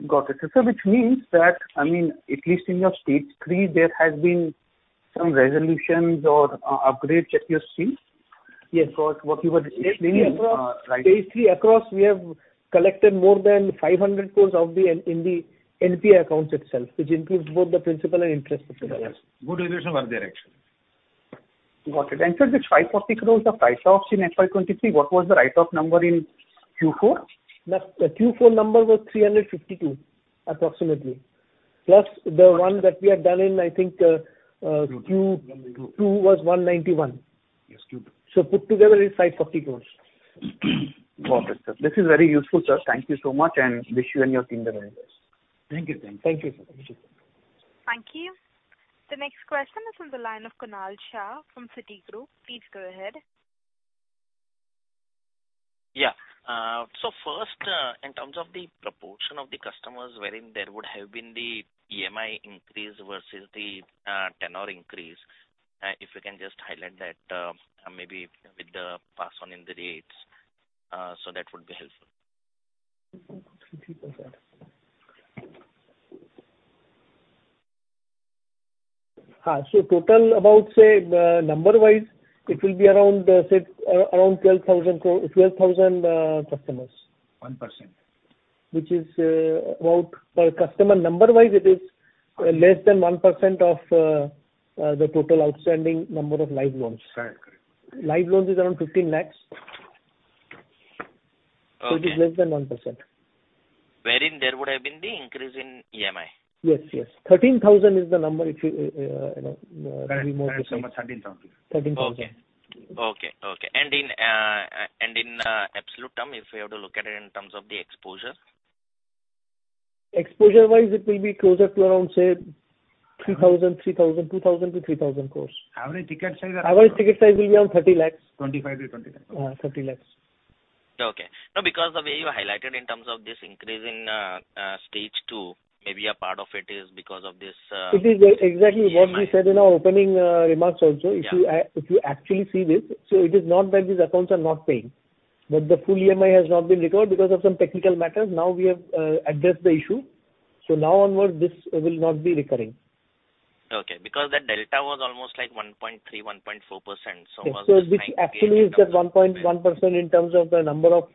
Got it. Which means that, I mean, at least in your stage three there has been some resolutions or upgrades that you have seen? Yes. what you were explaining. Stage three across- Right. Stage three across we have collected more than 500 crores in the NPA accounts itself, which includes both the principal and interest as well. Yes. Good relations are there, actually. Got it. sir this 540 crores of write-offs in FY2023, what was the write-off number in Q4? The Q4 number was 352 crore, approximately. Plus the one that we have done in, I think, Q2. Q2 was 191 crore. Yes, Q2. Put together is 540 crores. Got it, sir. This is very useful, sir. Thank you so much and wish you and your team the very best. Thank you. Thank you. Thank you, sir. Thank you. The next question is on the line of Kunal Shah from Citigroup. Please go ahead. Yeah. First, in terms of the proportion of the customers wherein there would have been the EMI increase versus the tenure increase, if you can just highlight that, maybe with the pass on in the rates, that would be helpful. Total about, say, number wise it will be around, say, 12,000 customers. 1%. Which is, about for customer number wise it is less than 1% of, the total outstanding number of live loans. Correct. Correct. Live loans is around 15 lakhs. Okay. It is less than 1%. Wherein there would have been the increase in EMI? Yes. Yes. 13,000 is the number if you know, remove. Correct. Correct. INR 13,000. INR 13,000. Okay. Okay, okay. In absolute term, if we have to look at it in terms of the exposure? Exposure wise it will be closer to around, say, 3,000 crore, 2,000 crore-3,000 crore. Average ticket size approximately. Average ticket size will be around 30 lakhs. 25 lakhs-30 lakhs. 30 lakhs. Okay. No, because the way you highlighted in terms of this increase in stage two, maybe a part of it is because of this. It is exactly what we said in our opening remarks also. Yeah. If you actually see this, it is not that these accounts are not paying, but the full EMI has not been recovered because of some technical matters. Now we have addressed the issue. Now onwards this will not be recurring. Okay. Because that delta was almost like 1.3%, 1.4%. This actually is at 1.1% in terms of the number of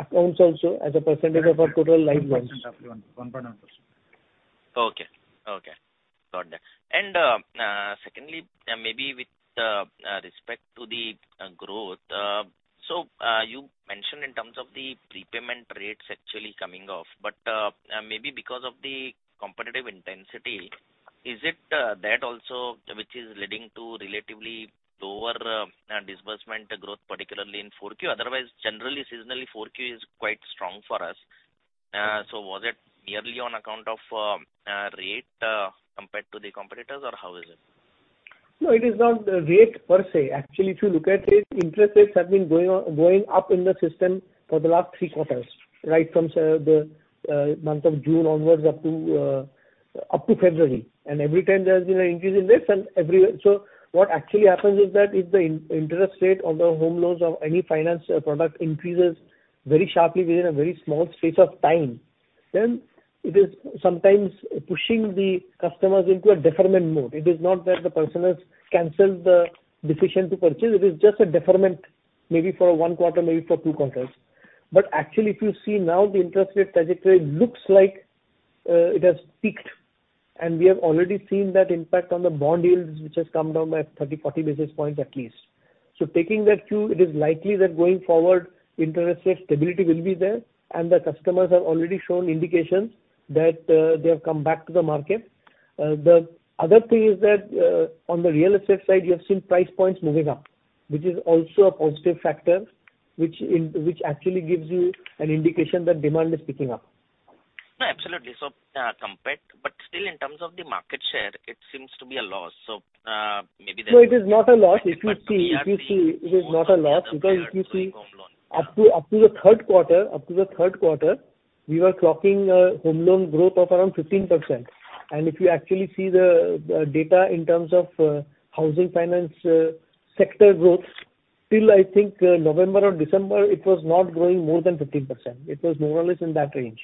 accounts also as a percentage of our total live loans. Roughly one, 1.1%. Okay. Got that. Secondly, maybe with respect to the growth, you mentioned in terms of the prepayment rates actually coming off. Maybe because of the competitive intensity, is it that also which is leading to relatively lower disbursement growth, particularly in 4Q? Otherwise, generally, seasonally 4Q is quite strong for us. Was it merely on account of rate compared to the competitors, or how is it? No, it is not the rate per se. Actually if you look at it, interest rates have been going up in the system for the last three quarters, right, from the month of June onwards up to February. Every time there has been an increase in this. What actually happens is that if the interest rate on the home loans of any finance product increases very sharply within a very small space of time, then it is sometimes pushing the customers into a deferment mode. It is not that the person has canceled the decision to purchase. It is just a deferment, maybe for one quarter, maybe for two quarters. Actually if you see now the interest rate trajectory looks like it has peaked. We have already seen that impact on the bond yields, which has come down by 30, 40 basis points at least. Taking that cue, it is likely that going forward, interest rate stability will be there and the customers have already shown indications that they have come back to the market. The other thing is that on the real estate side, you have seen price points moving up, which is also a positive factor which actually gives you an indication that demand is picking up. No, absolutely. Compared... still in terms of the market share, it seems to be a loss. Maybe No, it is not a loss. Still that is. If you see it is not a loss, because if you see- Home loan. Up to the third quarter, we were clocking home loan growth of around 15%. If you actually see the data in terms of housing finance sector growth, till I think November or December, it was not growing more than 15%. It was more or less in that range.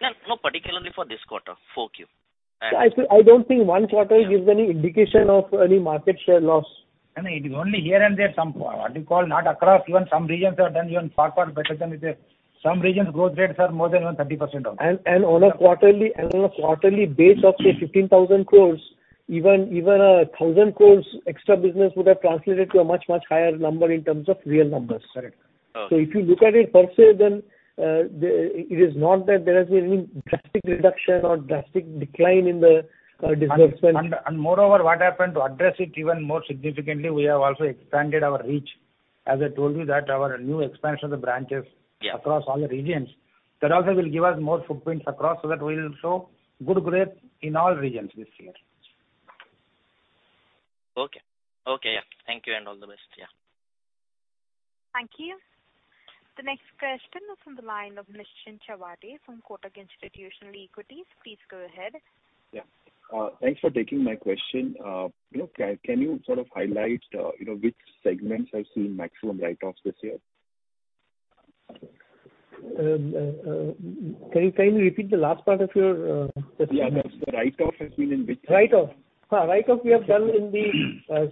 No, no, particularly for this quarter, 4Q. I see, I don't think one quarter gives any indication of any market share loss. I mean, it is only here and there some, what do you call, not across even some regions have done even far, far better than it is. Some regions growth rates are more than, you know, 30% of. On a quarterly base of, say, 15,000 crores. Even 1,000 crores extra business would have translated to a much, much higher number in terms of real numbers. Correct. If you look at it per se, then, it is not that there has been any drastic reduction or drastic decline in the disbursement. Moreover, what happened, to address it even more significantly, we have also expanded our reach. As I told you that our new expansion of the branches, Yeah, across all the regions, that also will give us more footprints across so that we'll show good growth in all regions this year. Okay. Okay, yeah. Thank you and all the best. Yeah. Thank you. The next question is from the line of Nischint Chawla from Kotak Institutional Equities. Please go ahead. Yeah. Thanks for taking my question. You know, can you sort of highlight, you know, which segments have seen maximum write-offs this year? Can you repeat the last part of your question? Yeah. The write-off has been in which- Write-off. Write-off we have done.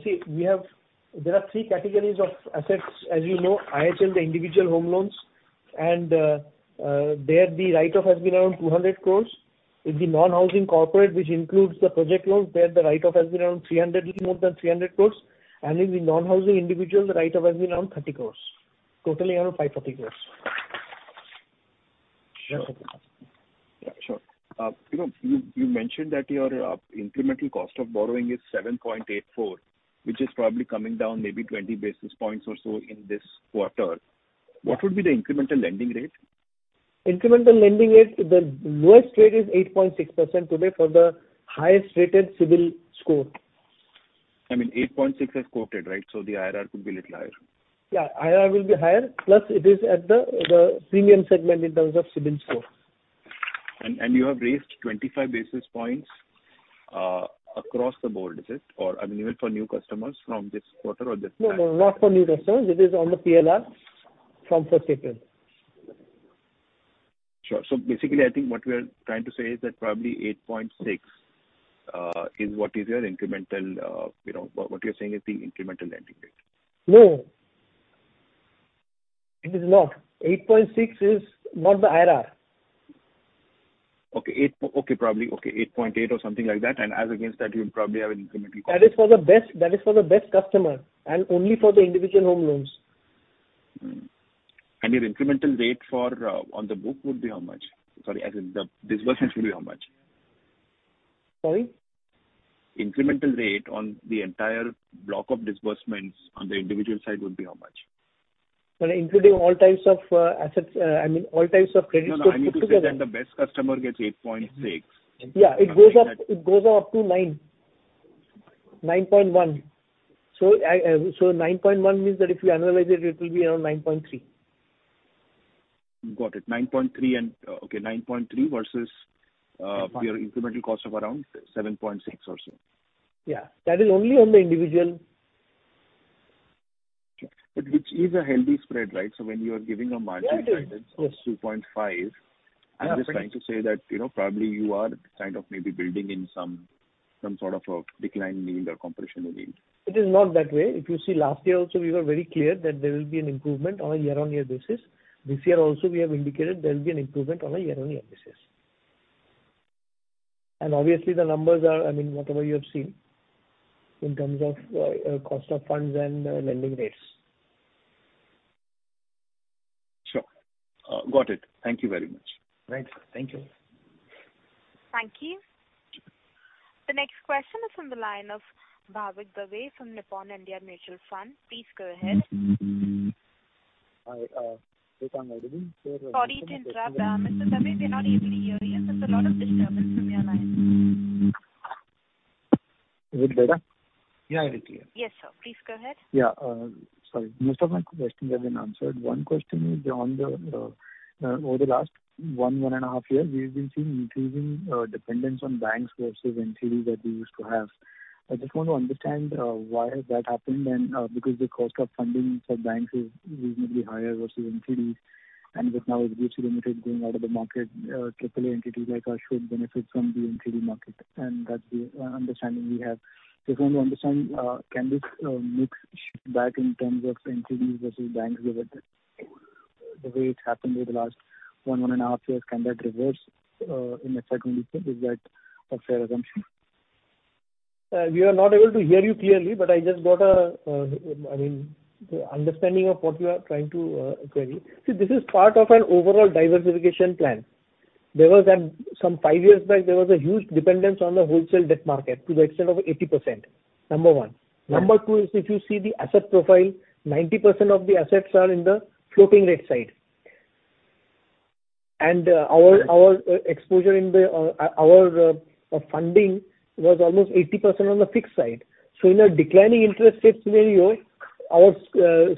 See, we have. There are three categories of assets, as you know. IHL, the individual home loans, and there the write-off has been around 200 crores. In the non-housing corporate, which includes the project loans, there the write-off has been around 300 crores, little more than 300 crores. In the non-housing individual, the write-off has been around 30 crores. Totally around 540 crores. Sure. Yeah, sure. you know, you mentioned that your incremental cost of borrowing is 7.84%, which is probably coming down maybe 20 basis points or so in this quarter. What would be the incremental lending rate? Incremental lending rate, the lowest rate is 8.6% today for the highest rated CIBIL score. I mean, 8.6% as quoted, right? The IRR could be little higher. Yeah. IRR will be higher, plus it is at the premium segment in terms of CIBIL score. You have raised 25 basis points, across the board, is it? Or, I mean, even for new customers from this quarter or No, no, not for new customers. It is on the PLR from first April. Sure. Basically I think what we are trying to say is that probably 8.6%. What you're saying is the incremental lending rate. No. It is not. 8.6% is not the IRR. Probably. Okay, 8.8% or something like that, and as against that you'll probably have an incremental cost- That is for the best, that is for the best customer, and only for the individual home loans. Your incremental rate for on the book would be how much? Sorry, as in the disbursements will be how much? Sorry? Incremental rate on the entire block of disbursements on the individual side would be how much? Well, including all types of assets, I mean, all types of. No, no. I need to get that the best customer gets 8.6%. Yeah. It goes up to 9%. 9.1%. 9.1% means that if you annualize it will be around 9.3%. Got it. 9.3% and, okay, 9.3% versus, your incremental cost of around 7.6% or so. Yeah. That is only on the individual. Sure. Which is a healthy spread, right? When you are giving a margin- Yeah, it is. Yes. of 2.5. Yeah. I'm just trying to say that, you know, probably you are kind of maybe building in some sort of a decline yield or compression yield. It is not that way. If you see last year also we were very clear that there will be an improvement on a year-on-year basis. This year also we have indicated there will be an improvement on a year-on-year basis. Obviously the numbers are, I mean, whatever you have seen in terms of cost of funds and lending rates. Sure. Got it. Thank you very much. Thanks. Thank you. Thank you. The next question is from the line of Bhavik Dave from Nippon India Mutual Fund. Please go ahead. Hi, this is Bhavik Dave- Sorry to interrupt. Mr. Dave, we're not able to hear you. There's a lot of disturbance from your line. Is it better? Yeah, it is clear. Yes, sir. Please go ahead. Yeah. Sorry. Most of my questions have been answered. One question is on the over the last one and a half years, we've been seeing increasing dependence on banks versus NCD that we used to have. I just want to understand why that happened and because the cost of funding for banks is reasonably higher versus NCD. With now Axis Limited going out of the market, AAA entity like us should benefit from the NCD market, and that's the understanding we have. Just want to understand, can this mix back in terms of NCDs versus banks, the way it happened over the last one and a half years, can that reverse in the second week? Is that a fair assumption? We are not able to hear you clearly, but I just got a, I mean, understanding of what you are trying to query. See, this is part of an overall diversification plan. Some five years back, there was a huge dependence on the wholesale debt market to the extent of 80%, number one. Right. Number two is if you see the asset profile, 90% of the assets are in the floating rate side. Our exposure in the funding was almost 80% on the fixed side. In a declining interest rate scenario, our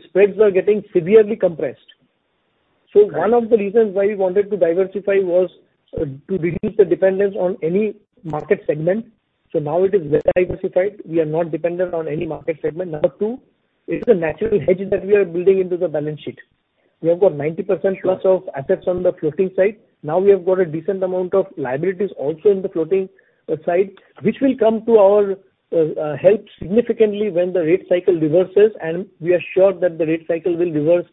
spreads are getting severely compressed. Right. One of the reasons why we wanted to diversify was to reduce the dependence on any market segment. Now it is well diversified. We are not dependent on any market segment. Number two, it's a natural hedge that we are building into the balance sheet. We have got 90%- Sure. -plus of assets on the floating side. Now we have got a decent amount of liabilities also in the floating side, which will come to our help significantly when the rate cycle reverses, and we are sure that the rate cycle will reverse.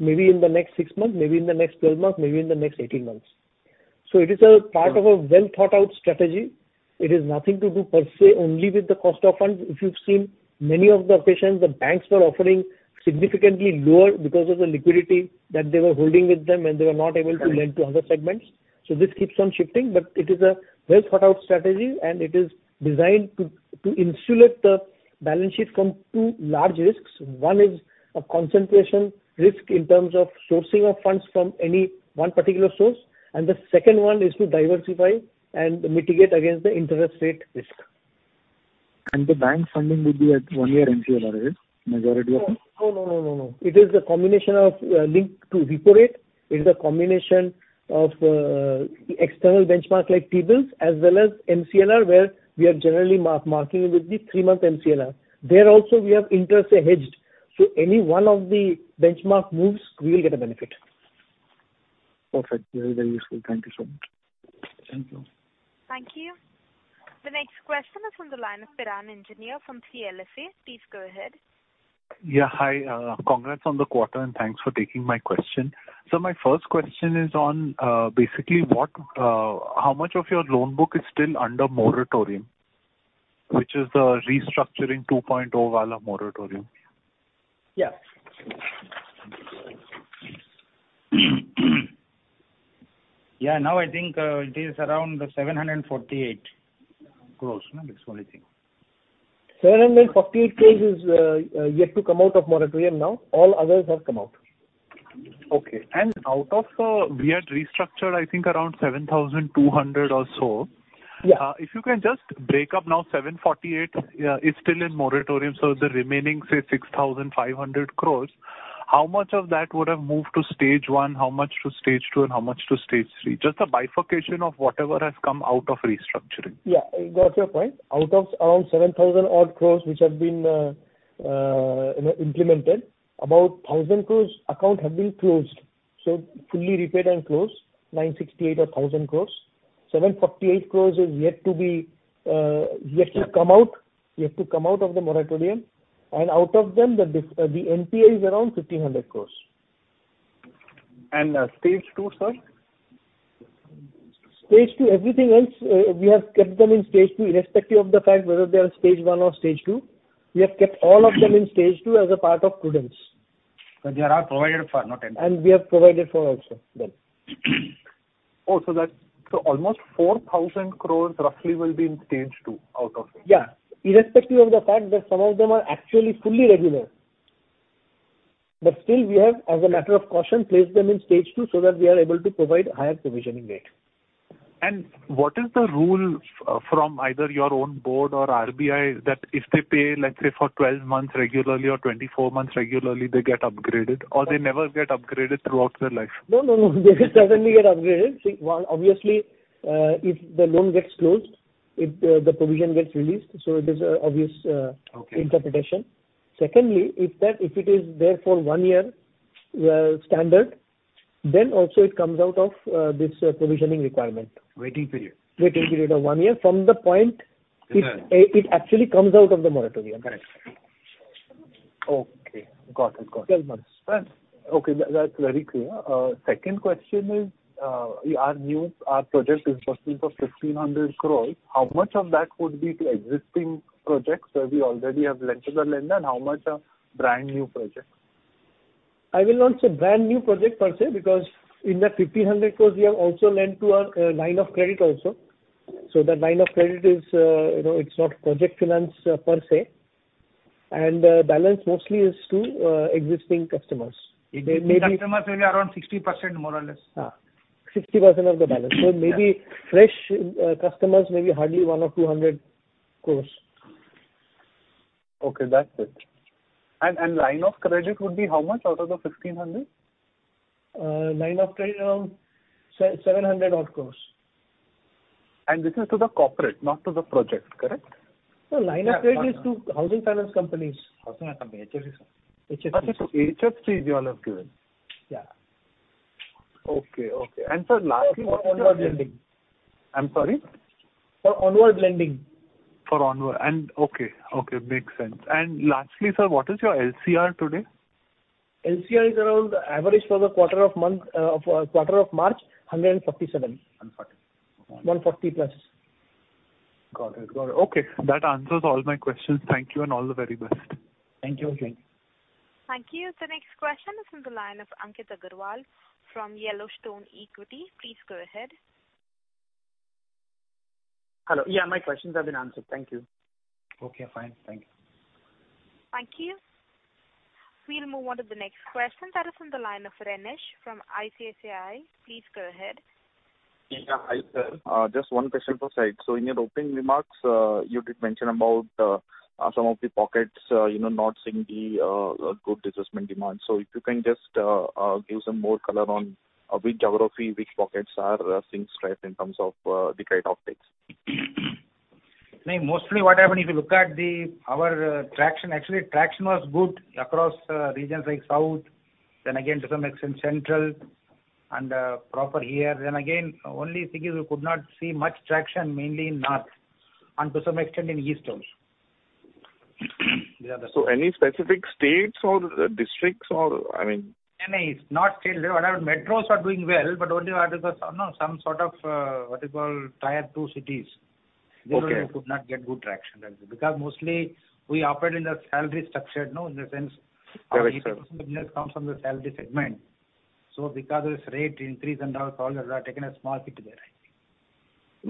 Maybe in the next six months, maybe in the next 12 months, maybe in the next 18 months. It is a part of a well-thought-out strategy. It is nothing to do per se only with the cost of funds. If you've seen many of the occasions, the banks were offering significantly lower because of the liquidity that they were holding with them, and they were not able to lend to other segments. This keeps on shifting. It is a well-thought-out strategy, and it is designed to insulate the balance sheet from two large risks. One is a concentration risk in terms of sourcing of funds from any one particular source, the second one is to diversify and mitigate against the interest rate risk. The bank funding would be at one year MCLR, is majority of it? No, no, no. It is a combination of link to repo rate. It is a combination of external benchmark like T-bills as well as MCLR, where we are generally marketing with the three-month MCLR. There also we have interest hedged, so any one of the benchmark moves, we will get a benefit. Perfect. Very, very useful. Thank you so much. Thank you. Thank you. The next question is on the line of Kiran Engineer from CLSA. Please go ahead. Yeah, hi. Congrats on the quarter, and thanks for taking my question. My first question is on basically what how much of your loan book is still under moratorium, which is the Restructuring 2.0 wala moratorium? Yeah. Yeah, now I think, it is around 748 crores, no? That's what I think. 748 crores is yet to come out of moratorium now. All others have come out. Okay. Out of, we had restructured I think around 7,200 or so. Yeah. If you can just break up now 748 crore is still in moratorium, so the remaining, say, 6,500 crores, how much of that would have moved to stage one, how much to stage two, and how much to stage three? Just a bifurcation of whatever has come out of restructuring. Yeah, I got your point. Out of around 7,000 odd crore which have been, you know, implemented, about 1,000 crore account have been closed. Fully repaid and closed, 968 crore or 1,000 crore. 748 crore is yet to come out of the moratorium. Out of them, the NPA is around 1,500 crore. Stage two, sir? Stage two, everything else, we have kept them in stage two, irrespective of the fact whether they are stage one or stage two. We have kept all of them in stage two as a part of prudence. They are provided for, not NPAs. We have provided for also, yes. Oh, almost 4,000 crores roughly will be in stage two out of it. Yeah. Irrespective of the fact that some of them are actually fully regular. Still we have, as a matter of caution, placed them in stage two so that we are able to provide higher provisioning rate. What is the rule from either your own board or RBI that if they pay, let's say, for 12 months regularly or 24 months regularly, they get upgraded or they never get upgraded throughout their life? No, no. They certainly get upgraded. See, one, obviously, if the loan gets closed, if the provision gets released, it is a obvious. Okay. Interpretation. Secondly, if that, if it is there for one year, standard, then also it comes out of this provisioning requirement. Waiting period. Waiting period of one year from the point- Yes. It actually comes out of the moratorium. Correct. Okay. Got it, got it. 12 months. Right. Okay. That, that's very clear. Second question is, our project is costing for 1,500 crores. How much of that would be to existing projects that we already have lent to the lender, and how much are brand new projects? I will not say brand new project per se, because in that 1,500 crores we have also lent to our line of credit also. That line of credit is, you know, it's not project finance per se. Balance mostly is to existing customers. Existing customers will be around 60% more or less. 60% of the balance. Maybe fresh customers may be hardly 100 crores-200 crores. Okay, that's it. Line of credit would be how much out of the 1,500? line of credit around 700 odd crores. This is to the corporate, not to the project, correct? No, line of credit is to Housing Finance Companies. Housing finance company, HFCs. HFCs you all have given. Yeah. Okay. Okay. Sir, lastly, what is your- For onward lending. I'm sorry? For onward lending. For onward and... Okay. Okay, makes sense. Lastly, sir, what is your LCR today? LCR is around average for the quarter of March, 147. 140. 140+. Got it. Okay. That answers all my questions. Thank you and all the very best. Thank you. Thank you. Thank you. The next question is from the line of Ankit Agrawal from Spark Capital. Please go ahead. Hello. Yeah, my questions have been answered. Thank you. Okay, fine. Thank you. Thank you. We'll move on to the next question that is on the line of Rinesh from ICICI. Please go ahead. Yeah, hi, sir. Just one question per se. In your opening remarks, you did mention about some of the pockets, you know, not seeing the good disbursement demand. If you can just give some more color on which geography, which pockets are seeing strength in terms of the credit updates? Mainly, mostly what happened if you look at our traction, actually traction was good across regions like South, to some extent Central and proper here. Only thing is we could not see much traction mainly in North and to some extent in East also. Any specific states or districts or, I mean- No, no, it's not still. Whatever metros are doing well, but only what is the, you know, some sort of, what you call tier two cities. Okay. These could not get good traction. Mostly we operate in the salary structure, you know, in the sense- Correct, sir. comes from the salary segment. Because this rate increase and our product are taking a small hit there.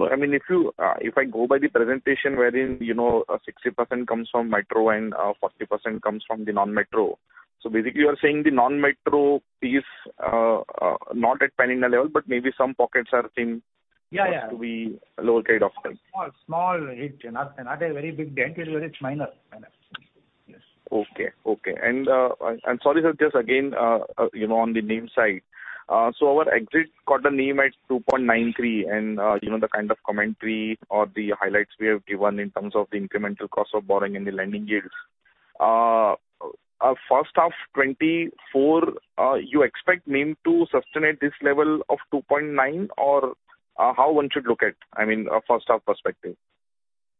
I mean, if you, if I go by the presentation wherein, you know, 60% comes from metro and 40% comes from the non-metro. Basically you are saying the non-metro is not at pan-India level, but maybe some pockets are seeing- Yeah, yeah. to be lower trade of them. Small, small hit. Not a very big dent. It is very minor. Minor. Yes. Okay. Okay. Sorry, sir, just again, you know, on the NIM side. Our exit got the NIM at 2.93% and, you know, the kind of commentary or the highlights we have given in terms of the incremental cost of borrowing and the lending yields. First half 2024, you expect NIM to sustain at this level of 2.9% or, how one should look at, I mean, a first half perspective?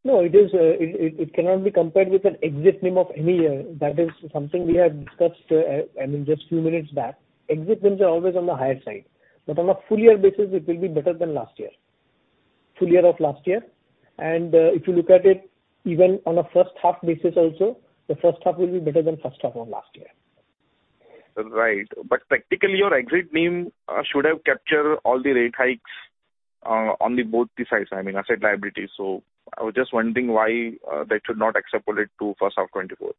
No, it is, it cannot be compared with an exit NIM of any year. That is something we have discussed, I mean, just few minutes back. Exit NIMs are always on the higher side, but on a full year basis it will be better than last year, full year of last year. If you look at it even on a first half basis also, the first half will be better than first half of last year. Right. Practically, your exit NIM, should have captured all the rate hikes, on the both the sides, I mean, asset liability. I was just wondering why, that should not extrapolate to first half 2024.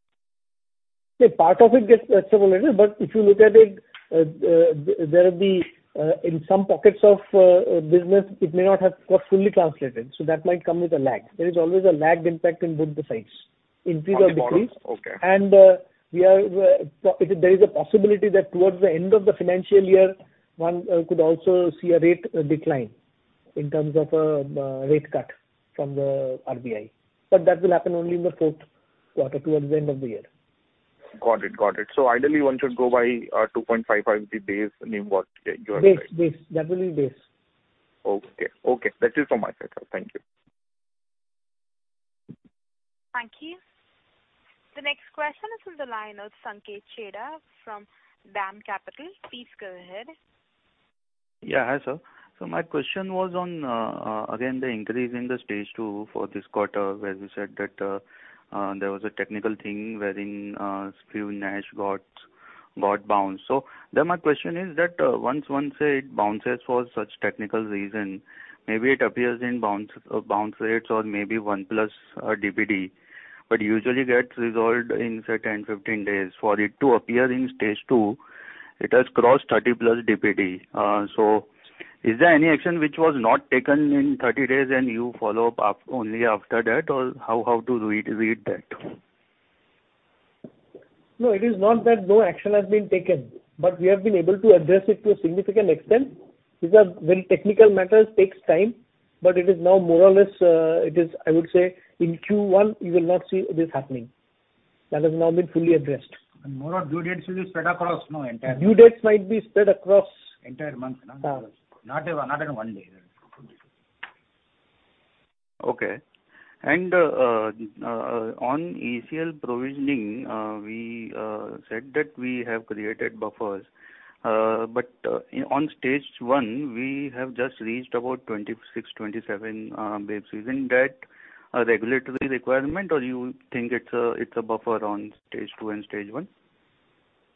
Yeah. Part of it gets extrapolated, but if you look at it, there will be in some pockets of business it may not have got fully translated, so that might come with a lag. There is always a lagged impact in both the sides, increase or decrease. Okay. We are, there is a possibility that towards the end of the financial year, one could also see a rate decline in terms of rate cut from the RBI. That will happen only in the fourth quarter, towards the end of the year. Got it. Got it. Ideally one should go by 2.5 as the base NIM what you have said. Base, base. That will be base. Okay. Okay. That's it from my side, sir. Thank you. Thank you. The next question is from the line of Sanket Chheda from DAM Capital. Please go ahead. Yeah. Hi, sir. My question was on again, the increase in the stage two for this quarter, where you said that there was a technical thing wherein few NACH got bounced. My question is that once it bounces for such technical reason, maybe it appears in bounce rates or maybe one plus DPD, but usually gets resolved in certain 15 days. For it to appear in stage two, it has crossed 30+ DPD. Is there any action which was not taken in 30 days and you follow up only after that? Or how to read that? No, it is not that no action has been taken, but we have been able to address it to a significant extent. These are very technical matters, takes time, but it is now more or less, it is, I would say in Q1 you will not see this happening. That has now been fully addressed. More of due dates will be spread across now, entire month. Due dates might be spread across. Entire month, no? Uh. Not in, not in one day. Okay. On ACL provisioning, we said that we have created buffers. On stage one we have just reached about 26, 27 base. Isn't that a regulatory requirement or you think it's a, it's a buffer on stage two and stage one?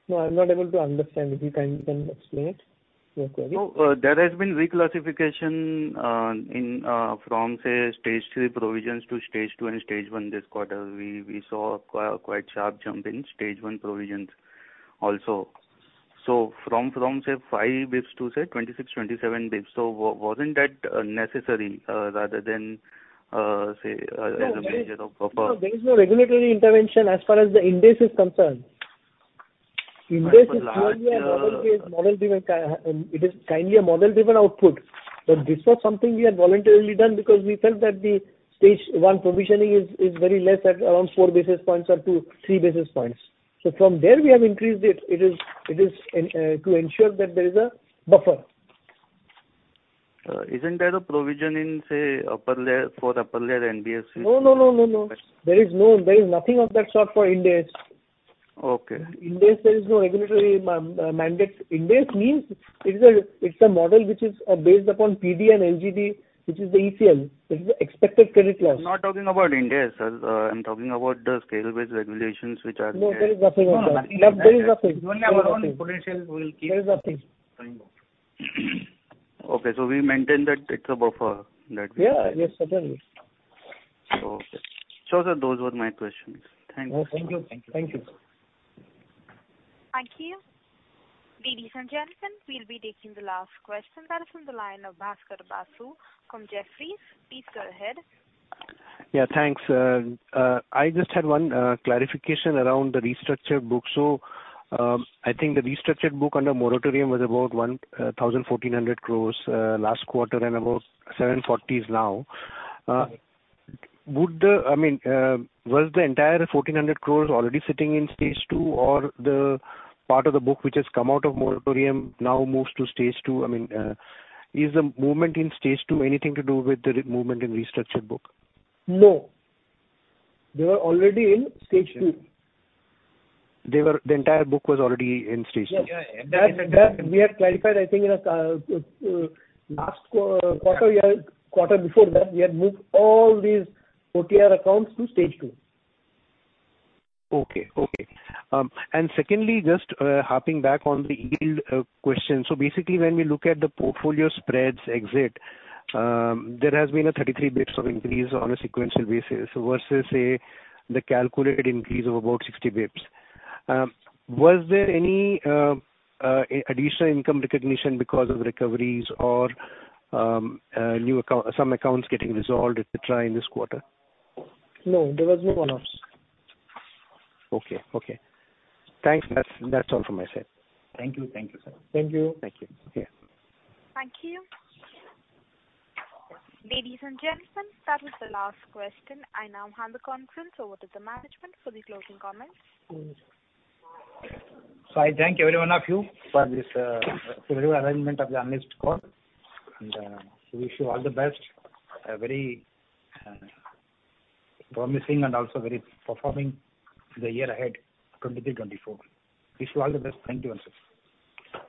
No, I'm not able to understand. If you can explain it, your query? There has been reclassification in from, say, stage three provisions to stage two and stage one this quarter. We saw a quite sharp jump in stage one provisions also. From, say, 5 bps to, say, 26 bps, 27 bps. Wasn't that necessary rather than say as a measure of buffer? There is no regulatory intervention as far as the Ind-AS concerned. Ind-AS is purely a model-based, model-driven. It is kindly a model-driven output. This was something we had voluntarily done because we felt that the stage one provisioning is very less at around 4 basis points or 3 basis points. From there we have increased it. It is to ensure that there is a buffer. Isn't there a provision in, say, Upper Layer, for Upper Layer NBFCs? No, no, no. There is no, there is nothing of that sort for Ind-AS. Okay. Indices, there is no regulatory mandate. Indices means it's a model which is based upon PD and LGD, which is the ACL. That is the Expected Credit Loss. I'm not talking about Ind-AS, sir. I'm talking about the scale-based regulations which are there. No, there is nothing of that. No, nothing like that. There is nothing. It's only our own potential we will keep. There is nothing. coming up. Okay. We maintain that it's a buffer that we have. Yeah. Yes, certainly. Okay. sir, those were my questions. Thanks. Thank you. Thank you. Thank you. Ladies and gentlemen, we'll be taking the last question. That is on the line of Bhaskar Basu from Jefferies. Please go ahead. Yeah. Thanks. I just had one clarification around the restructured book. I think the restructured book under moratorium was about 1,400 crores last quarter and about 740 crores is now. Would the, I mean, was the entire 1,400 crores already sitting in stage two or the part of the book which has come out of moratorium now moves to stage two? I mean, is the movement in stage two anything to do with the movement in restructured book? No. They were already in stage two. They were, the entire book was already in stage two? Yeah. Yeah. That we have clarified, I think in, last quarter year, quarter before that, we had moved all these four tier accounts to stage two. Okay. Okay. Secondly, just harping back on the yield question. Basically when we look at the portfolio spreads exit, there has been a 33 basis points of increase on a sequential basis versus, say, the calculated increase of about 60 basis points. Was there any additional income recognition because of recoveries or a new account, some accounts getting resolved et cetera in this quarter? No, there was no one-offs. Okay. Okay. Thanks. That's all from my side. Thank you. Thank you, sir. Thank you. Thank you. Yeah. Thank you. Ladies and gentlemen, that was the last question. I now hand the conference over to the management for the closing comments. I thank every one of you for this for your arrangement of the analyst call, and wish you all the best, a very promising and also very performing the year ahead, 2023, 2024. Wish you all the best. Thank you once again.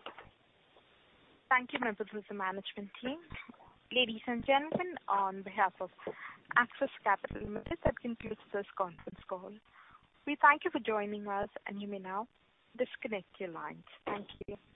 Thank you, members of the management team. Ladies and gentlemen, on behalf of Axis Capital Limited, that concludes this conference call. We thank you for joining us and you may now disconnect your lines. Thank you.